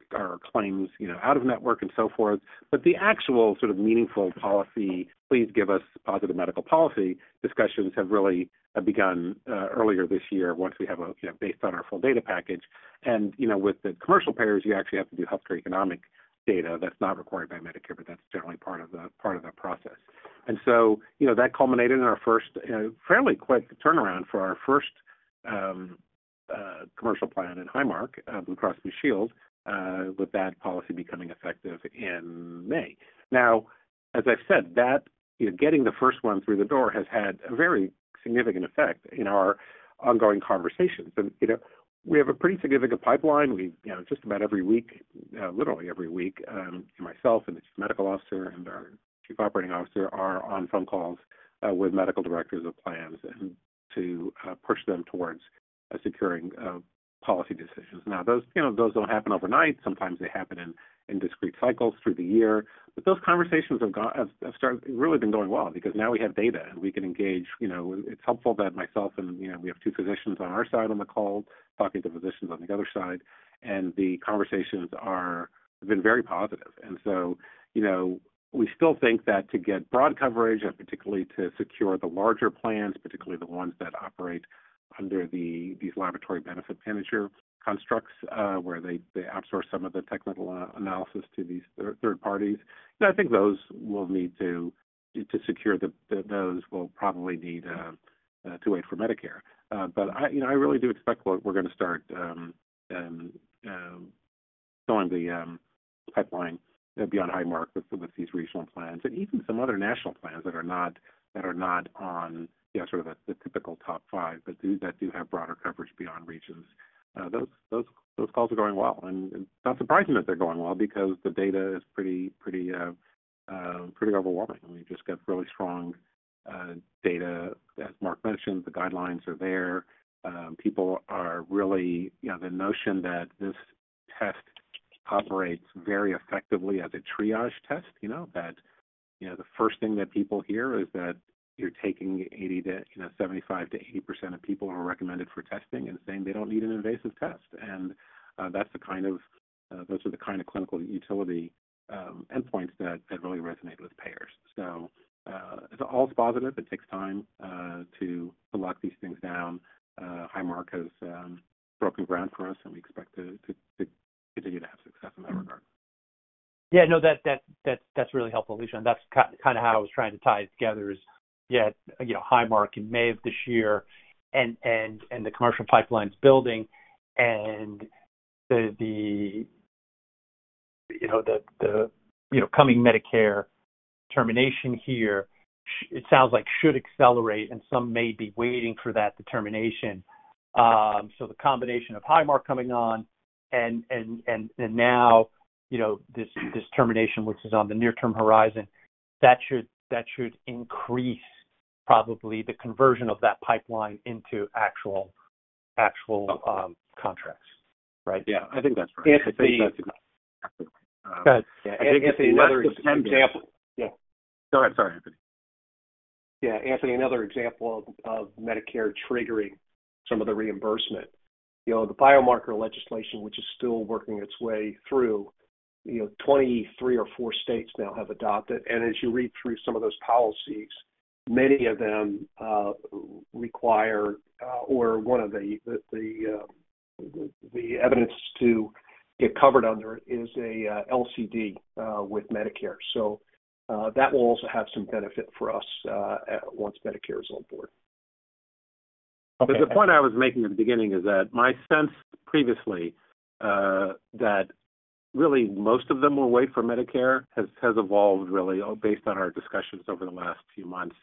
claims, out of network and so forth. The actual sort of meaningful policy, please give us positive medical policy discussions have really begun earlier this year once we have a, based on our full data package. With the commercial payers, you actually have to do healthcare economic data that's not required by Medicare, but that's generally part of that process. That culminated in our first fairly quick turnaround for our first commercial plan in Highmark Blue Cross Blue Shield, with that policy becoming effective in May. As I've said, getting the first one through the door has had a very significant effect in our ongoing conversations. We have a pretty significant pipeline. Just about every week, literally every week, myself and the Chief Medical Officer and our Chief Operating Officer are on phone calls with medical directors of plans to push them towards securing policy decisions. Those don't happen overnight. Sometimes they happen in discrete cycles through the year. Those conversations have started really been going well because now we have data and we can engage. It's helpful that myself and we have two physicians on our side on the call talking to physicians on the other side. The conversations have been very positive. We still think that to get broad coverage and particularly to secure the larger plans, particularly the ones that operate under these laboratory benefit manager constructs where they outsource some of the technical analysis to these third parties, those will need to secure, those will probably need to wait for Medicare. I really do expect we're going to start filling the pipeline beyond Highmark Blue Cross Blue Shield with these regional plans and even some other national plans that are not on the typical top five but do have broader coverage beyond regions. Those calls are going well, and it's not surprising that they're going well because the data is pretty overwhelming. You just get really strong data. As Matt mentioned, the guidelines are there. People are really, you know, the notion that this test operates very effectively as a triage test, you know, the first thing that people hear is that you're taking 75%-80% of people who are recommended for testing and saying they don't need an invasive test. Those are the kind of clinical utility endpoints that really resonate with payers. It's all positive. It takes time to lock these things down. Highmark Blue Cross Blue Shield has broken ground for us, and we expect to continue to have success in that regard. Yeah, no, that's really helpful, Lishan. That's kind of how I was trying to tie together is, yeah, you know, Highmark in May of this year and the commercial pipeline's building. The coming Medicare determination here, it sounds like should accelerate, and some may be waiting for that determination. The combination of Highmark coming on and now, you know, this determination, which is on the near-term horizon, that should increase probably the conversion of that pipeline into actual contracts, right? Yeah, I think that's right. Go ahead. Yeah. Go ahead. Sorry. Yeah. Anthony, another example of Medicare triggering some of the reimbursement. You know, the biomarker legislation, which is still working its way through, you know, 23 or 24 states now have adopted. As you read through some of those policies, many of them require, or one of the evidence to get covered under is an LCD with Medicare. That will also have some benefit for us once Medicare is on board. Because the point I was making at the beginning is that my sense previously that really most of them will wait for Medicare has evolved based on our discussions over the last few months,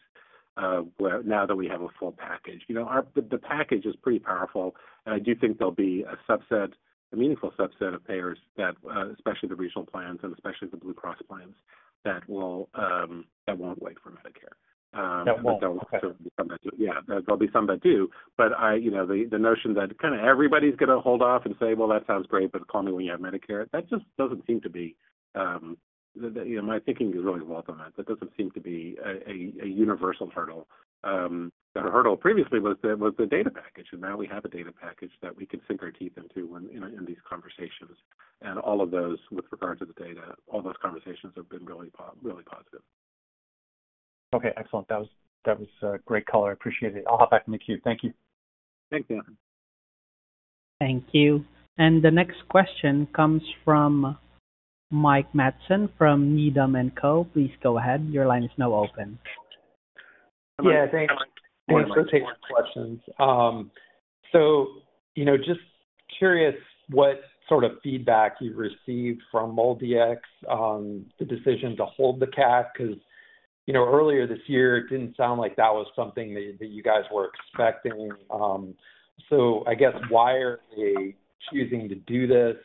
where now that we have a full package, the package is pretty powerful. I do think there'll be a subset, a meaningful subset of payers, especially the regional plans and especially the Blue Cross plans, that won't wait for Medicare. That won't wait. There'll certainly be some that do. There'll be some that do. The notion that kind of everybody's going to hold off and say, "That sounds great, but call me when you have Medicare," just doesn't seem to be, you know, my thinking has really evolved on that. That doesn't seem to be a universal hurdle. The hurdle previously was the data package. Now we have a data package that we can sink our teeth into in these conversations. All of those with regard to the data, all those conversations have been really, really positive. Okay. Excellent. That was great, caller. I appreciate it. I'll hop back in the queue. Thank you. Thanks, Anthony. Thank you. The next question comes from Mike Matson from Needham and Co. Please go ahead. Your line is now open. Yeah. Thanks. I'll take one of the questions. I'm just curious what sort of feedback you've received from MolDX on the decision to hold the CAC meeting because earlier this year, it didn't sound like that was something that you guys were expecting. I guess why are they choosing to do this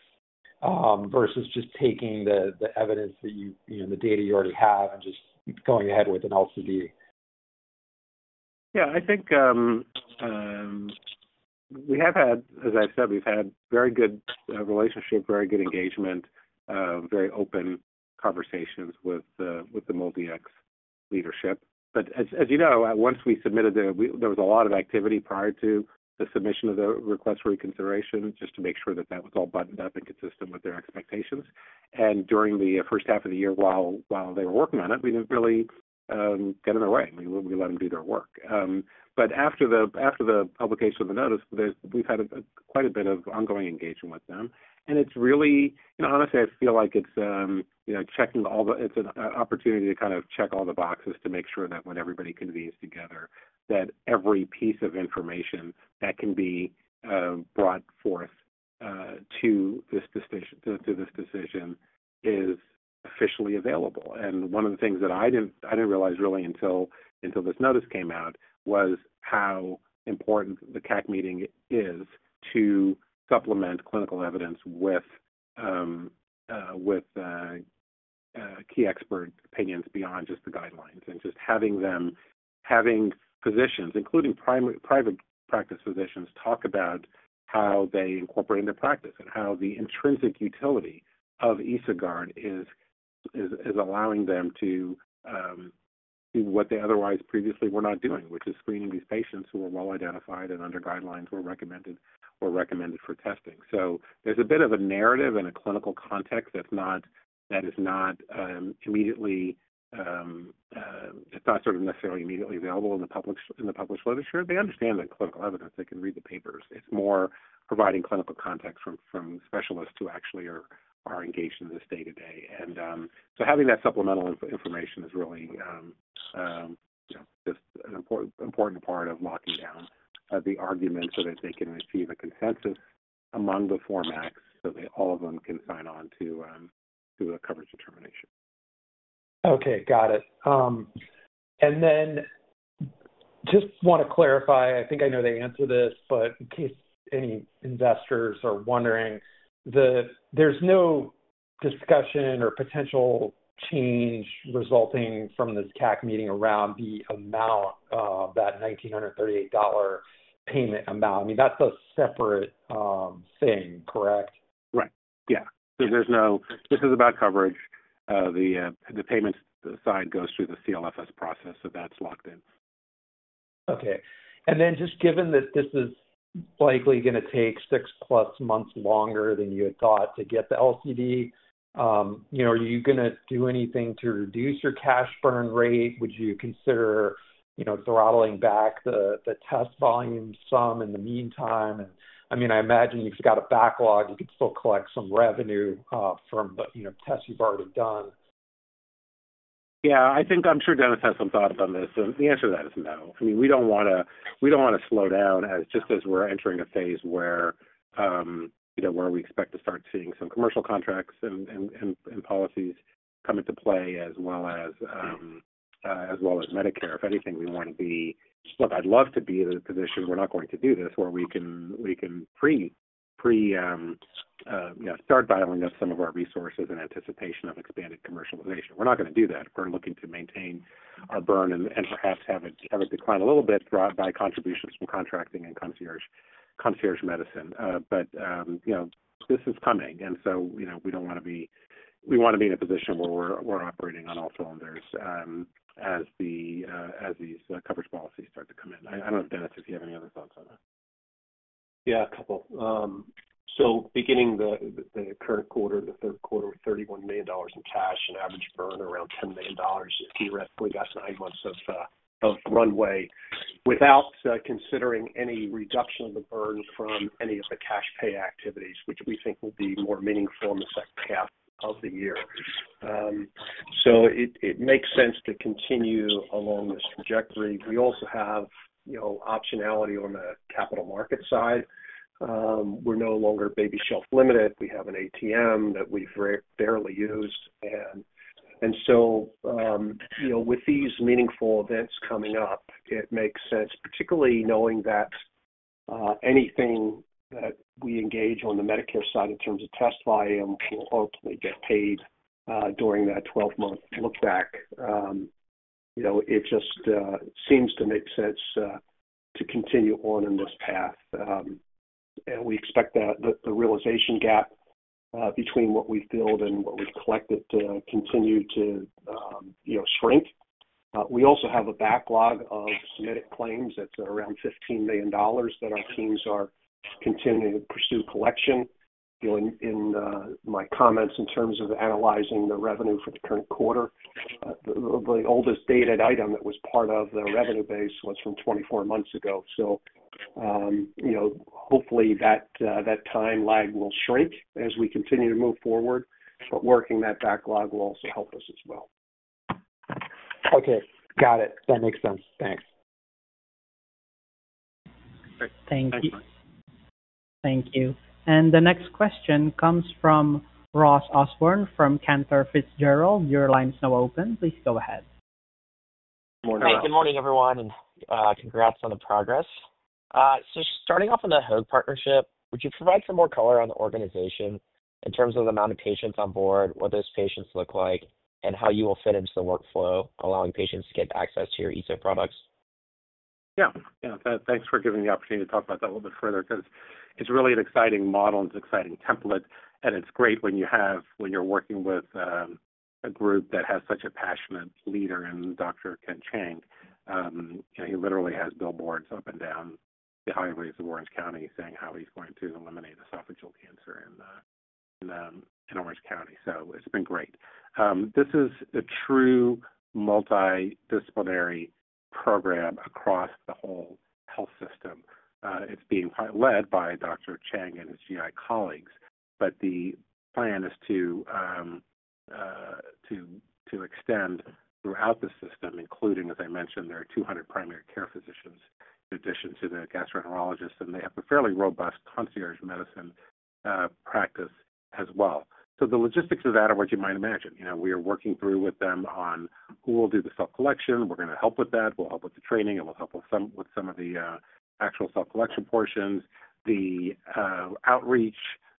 versus just taking the evidence that you, the data you already have, and just going ahead with an LCD? Yeah. I think we have had, as I've said, we've had very good relationship, very good engagement, very open conversations with the MolDX leadership. As you know, once we submitted it, there was a lot of activity prior to the submission of the request for reconsideration just to make sure that that was all buttoned up and consistent with their expectations. During the first half of the year, while they were working on it, we didn't really get in their way. We let them do their work. After the publication of the notice, we've had quite a bit of ongoing engagement with them. Honestly, I feel like it's an opportunity to kind of check all the boxes to make sure that when everybody convenes together, every piece of information that can be brought forth to this decision is officially available. One of the things that I didn't realize really until this notice came out was how important the CAC meeting is to supplement clinical evidence with key expert opinions beyond just the guidelines. Just having them, having physicians, including private practice physicians, talk about how they incorporate into practice and how the intrinsic utility of EsoGuard is allowing them to do what they otherwise previously were not doing, which is screening these patients who are well identified and under guidelines were recommended or recommended for testing. There's a bit of a narrative and a clinical context that's not, that is not immediately, it's not sort of necessarily immediately available in the published literature. They understand the clinical evidence. They can read the papers. It's more providing clinical context from specialists who actually are engaged in this day-to-day. Having that supplemental information is really just an important part of locking down the argument so that they can achieve a consensus among the four MACs so that all of them can sign on to the coverage determination. Okay. Got it. I just want to clarify, I think I know the answer to this, but in case any investors are wondering, there's no discussion or potential change resulting from this CAC meeting around the amount, that $1,938 payment amount. I mean, that's a separate thing, correct? Right. Yeah. This is about coverage. The payment side goes through the CLFS process, so that's locked in. Okay. Given that this is likely going to take 6 months+ longer than you had thought to get the LCD, are you going to do anything to reduce your cash burn rate? Would you consider throttling back the test volume some in the meantime? I imagine you've got a backlog. You could still collect some revenue from the tests you've already done. Yeah. I think I'm sure Dennis has some thought about this. The answer to that is no. I mean, we don't want to slow down just as we're entering a phase where we expect to start seeing some commercial contracts and policies come into play, as well as Medicare. If anything, we want to be, look, I'd love to be in a position—we're not going to do this—where we can pre, you know, start dialing up some of our resources in anticipation of expanded commercialization. We're not going to do that. We're looking to maintain our burn and perhaps have a decline a little bit brought by contributions from contracting and concierge medicine. This is coming. We want to be in a position where we're operating on all cylinders as these coverage policies start to come in. I don't know, Dennis, if you have any other thoughts on that. Yeah, a couple. Beginning the current quarter, the third quarter, $31 million in cash, an average burn around $10 million. Theoretically, that's nine months of runway without considering any reduction of the burn from any of the cash pay activities, which we think will be more meaningful in the second half of the year. It makes sense to continue along this trajectory. We also have, you know, optionality on the capital market side. We're no longer baby shelf limited. We have an ATM that we've barely used. With these meaningful events coming up, it makes sense, particularly knowing that anything that we engage on the Medicare side in terms of test volume will ultimately get paid during that 12-month look-back. It just seems to make sense to continue on in this path. We expect that the realization gap between what we field and what we've collected to continue to, you know, shrink. We also have a backlog of submitted claims that's around $15 million that our teams are continuing to pursue collection. In my comments in terms of analyzing the revenue for the current quarter, the oldest dated item that was part of the revenue base was from 24 months ago. Hopefully, that time lag will shrink as we continue to move forward. Working that backlog will also help us as well. Okay. Got it. That makes sense. Thanks. Thank you. Thank you. The next question comes from Ross Osborn from Cantor Fitzgerald. Your line is now open. Please go ahead. Good morning, everyone. Good morning, everyone, and congrats on the progress. Starting off on the Hoag Health partnership, would you provide some more color on the organization in terms of the amount of patients on board, what those patients look like, and how you will fit into the workflow, allowing patients to get access to your EsoGuard products? Yeah. Yeah. Thanks for giving me the opportunity to talk about that a little bit further because it's really an exciting model and it's an exciting template. It's great when you're working with a group that has such a passionate leader in Dr. Kent Chang. He literally has billboards up and down the highways of Orange County saying how he's going to eliminate esophageal cancer in Orange County. It's been great. This is a true multidisciplinary program across the whole health system. It's being led by Dr. Chang and his GI colleagues. The plan is to extend throughout the system, including, as I mentioned, their 200 primary care physicians in addition to the gastroenterologists. They have a fairly robust concierge medicine practice as well. The logistics of that are what you might imagine. We are working through with them on who will do the cell collection. We're going to help with that. We'll help with the training, and we'll help with some of the actual cell collection portions, the outreach,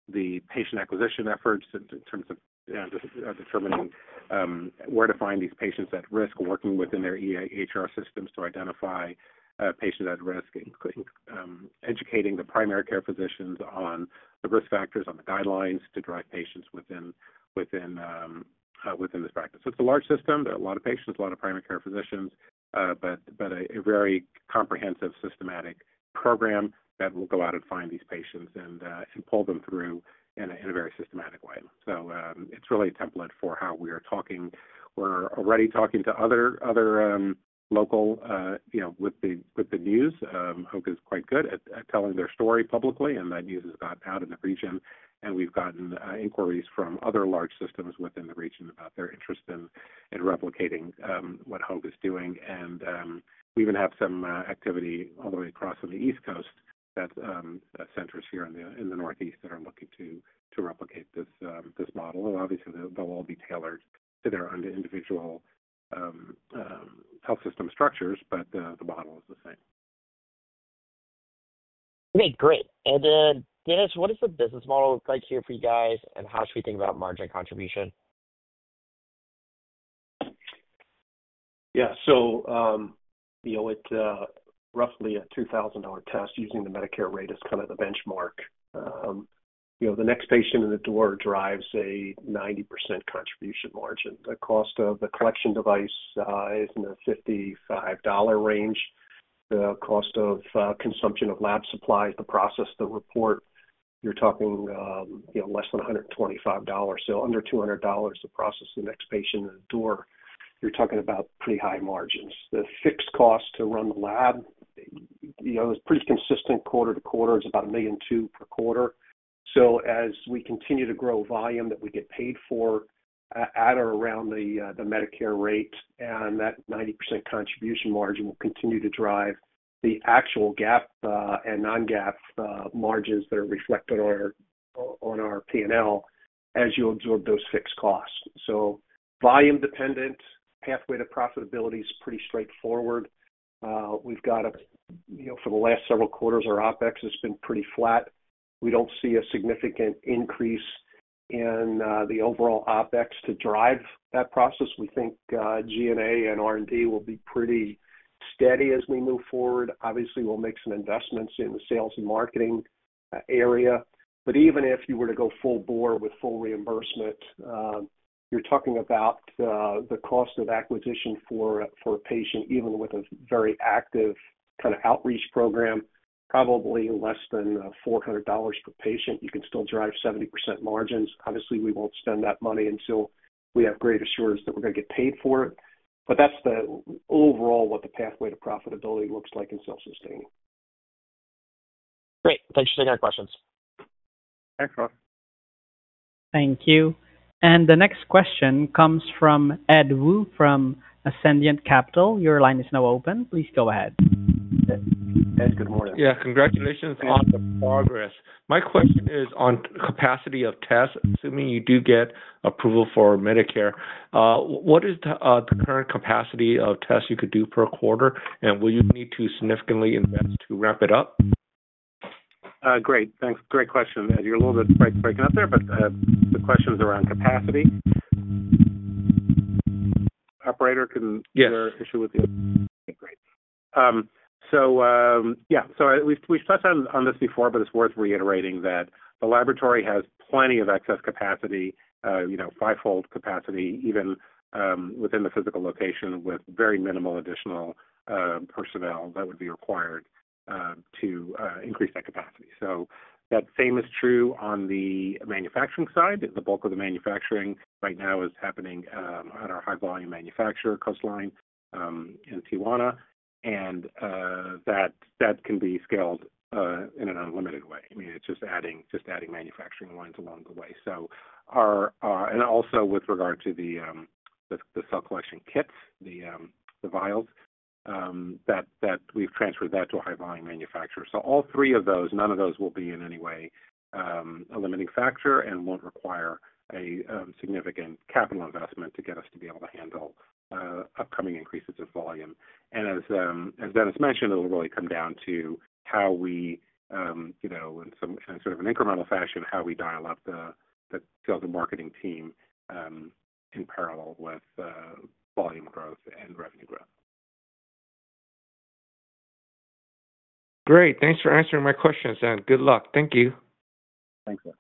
the patient acquisition efforts in terms of determining where to find these patients at risk, working within their EHR systems to identify patients at risk, and educating the primary care physicians on the risk factors, on the guidelines to drive patients within this practice. It's a large system. There are a lot of patients, a lot of primary care physicians, but a very comprehensive, systematic program that will go out and find these patients and pull them through in a very systematic way. It's really a template for how we are talking. We're already talking to other locals, you know, with the news. Hoag Health is quite good at telling their story publicly, and that news has gotten out in the region. We've gotten inquiries from other large systems within the region about their interest in replicating what Hoag Health is doing. We even have some activity all the way across on the East Coast at centers here in the Northeast that are looking to replicate this model. Obviously, they'll all be tailored to their individual health system structures, but the model is the same. Okay. Great. Dennis, what does the business model look like here for you guys, and how should we think about margin contribution? Yeah. So you know, it's roughly a $2,000 test using the Medicare rate as kind of the benchmark. The next patient in the door drives a 90% contribution margin. The cost of the collection device is in the $55 range. The cost of consumption of lab supplies, the process, the report, you're talking less than $125. So under $200 to process the next patient in the door, you're talking about pretty high margins. The fixed cost to run the lab, you know, it's pretty consistent quarter to quarter. It's about $1.2 million per quarter. As we continue to grow volume that we get paid for at or around the Medicare rate, that 90% contribution margin will continue to drive the actual GAAP and non-GAAP margins that are reflected on our P&L as you absorb those fixed costs. Volume-dependent, pathway to profitability is pretty straightforward. For the last several quarters, our OpEx has been pretty flat. We don't see a significant increase in the overall OpEx to drive that process. We think G&A and R&D will be pretty steady as we move forward. Obviously, we'll make some investments in the sales and marketing area. Even if you were to go full bore with full reimbursement, you're talking about the cost of acquisition for a patient, even with a very active kind of outreach program, probably less than $400 per patient. You can still drive 70% margins. Obviously, we won't spend that money until we have great assurance that we're going to get paid for it. That's the overall what the pathway to profitability looks like in self-sustaining. Great. Thanks for taking our questions. Thanks, Ross. Thank you. The next question comes from Ed Woo from Ascendiant Capital. Your line is now open. Please go ahead. Ed, good morning. Yeah. Congratulations on the progress. My question is on the capacity of tests, assuming you do get approval for Medicare. What is the current capacity of tests you could do per quarter? Will you need to significantly invest to ramp it up? Great. Thanks. Great question. You're a little bit breaking up there, but the question is around capacity. Operator, can I share an issue with you? Okay. Great. We've touched on this before, but it's worth reiterating that the laboratory has plenty of excess capacity, you know, fivefold capacity, even within the physical location with very minimal additional personnel that would be required to increase that capacity. That same is true on the manufacturing side. The bulk of the manufacturing right now is happening at our high-volume manufacturer, Coastline in Tijuana, and that can be scaled in an unlimited way. It's just adding manufacturing lines along the way. Also, with regard to the cell collection kits, the vials, we've transferred that to a high-volume manufacturer. All three of those, none of those will be in any way a limiting factor and won't require a significant capital investment. To get us to be able to handle upcoming increases in volume, as Dennis mentioned, it will really come down to how we, in some sort of an incremental fashion, dial up the sales and marketing team in parallel with volume growth and revenue growth. Great. Thanks for answering my questions, and good luck. Thank you. Thank you.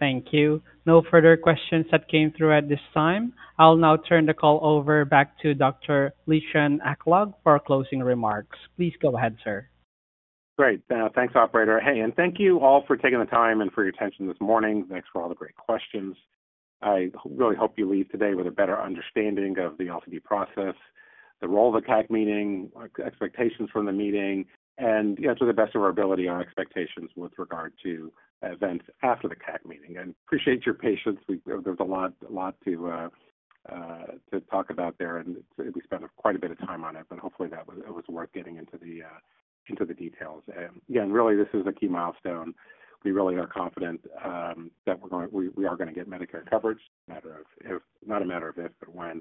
Thank you. No further questions that came through at this time. I'll now turn the call over back to Dr. Lishan Aklog for closing remarks. Please go ahead, sir. Great. Thanks, operator. Hey, and thank you all for taking the time and for your attention this morning. Thanks for all the great questions. I really hope you leave today with a better understanding of the LCD process, the role of the CAC meeting, expectations from the meeting, and, you know, to the best of our ability, our expectations with regard to events after the CAC meeting. I appreciate your patience. There's a lot to talk about there, and we spent quite a bit of time on it, but hopefully, it was worth getting into the details. This is a key milestone. We really are confident that we're going to get Medicare coverage. Not a matter of if, but when.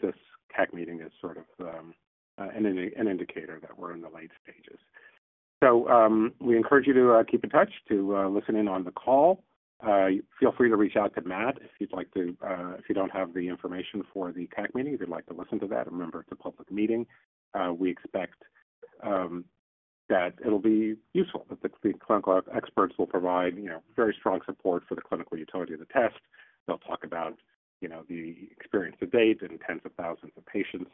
This CAC meeting is an indicator that we're in the late stages. We encourage you to keep in touch, to listen in on the call. Feel free to reach out to Matt if you'd like to, if you don't have the information for the CAC meeting, you'd like to listen to that. Remember, it's a public meeting. We expect that it'll be useful, that the clinical experts will provide very strong support for the clinical utility of the test. They'll talk about the experience of days and tens of thousands of patients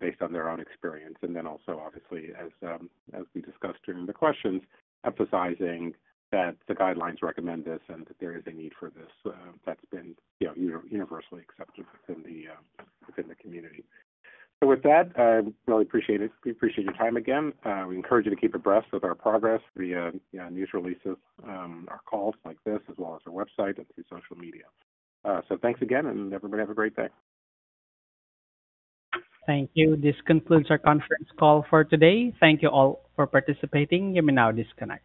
based on their own experience. Also, obviously, as we discussed during the questions, emphasizing that the guidelines recommend this and that there is a need for this, that's been universally accepted within the community. With that, I really appreciate it. We appreciate your time again. We encourage you to keep abreast of our progress, the news releases, our calls like this, as well as our website and through social media. Thanks again, and everybody have a great day. Thank you. This concludes our conference call for today. Thank you all for participating. You may now disconnect.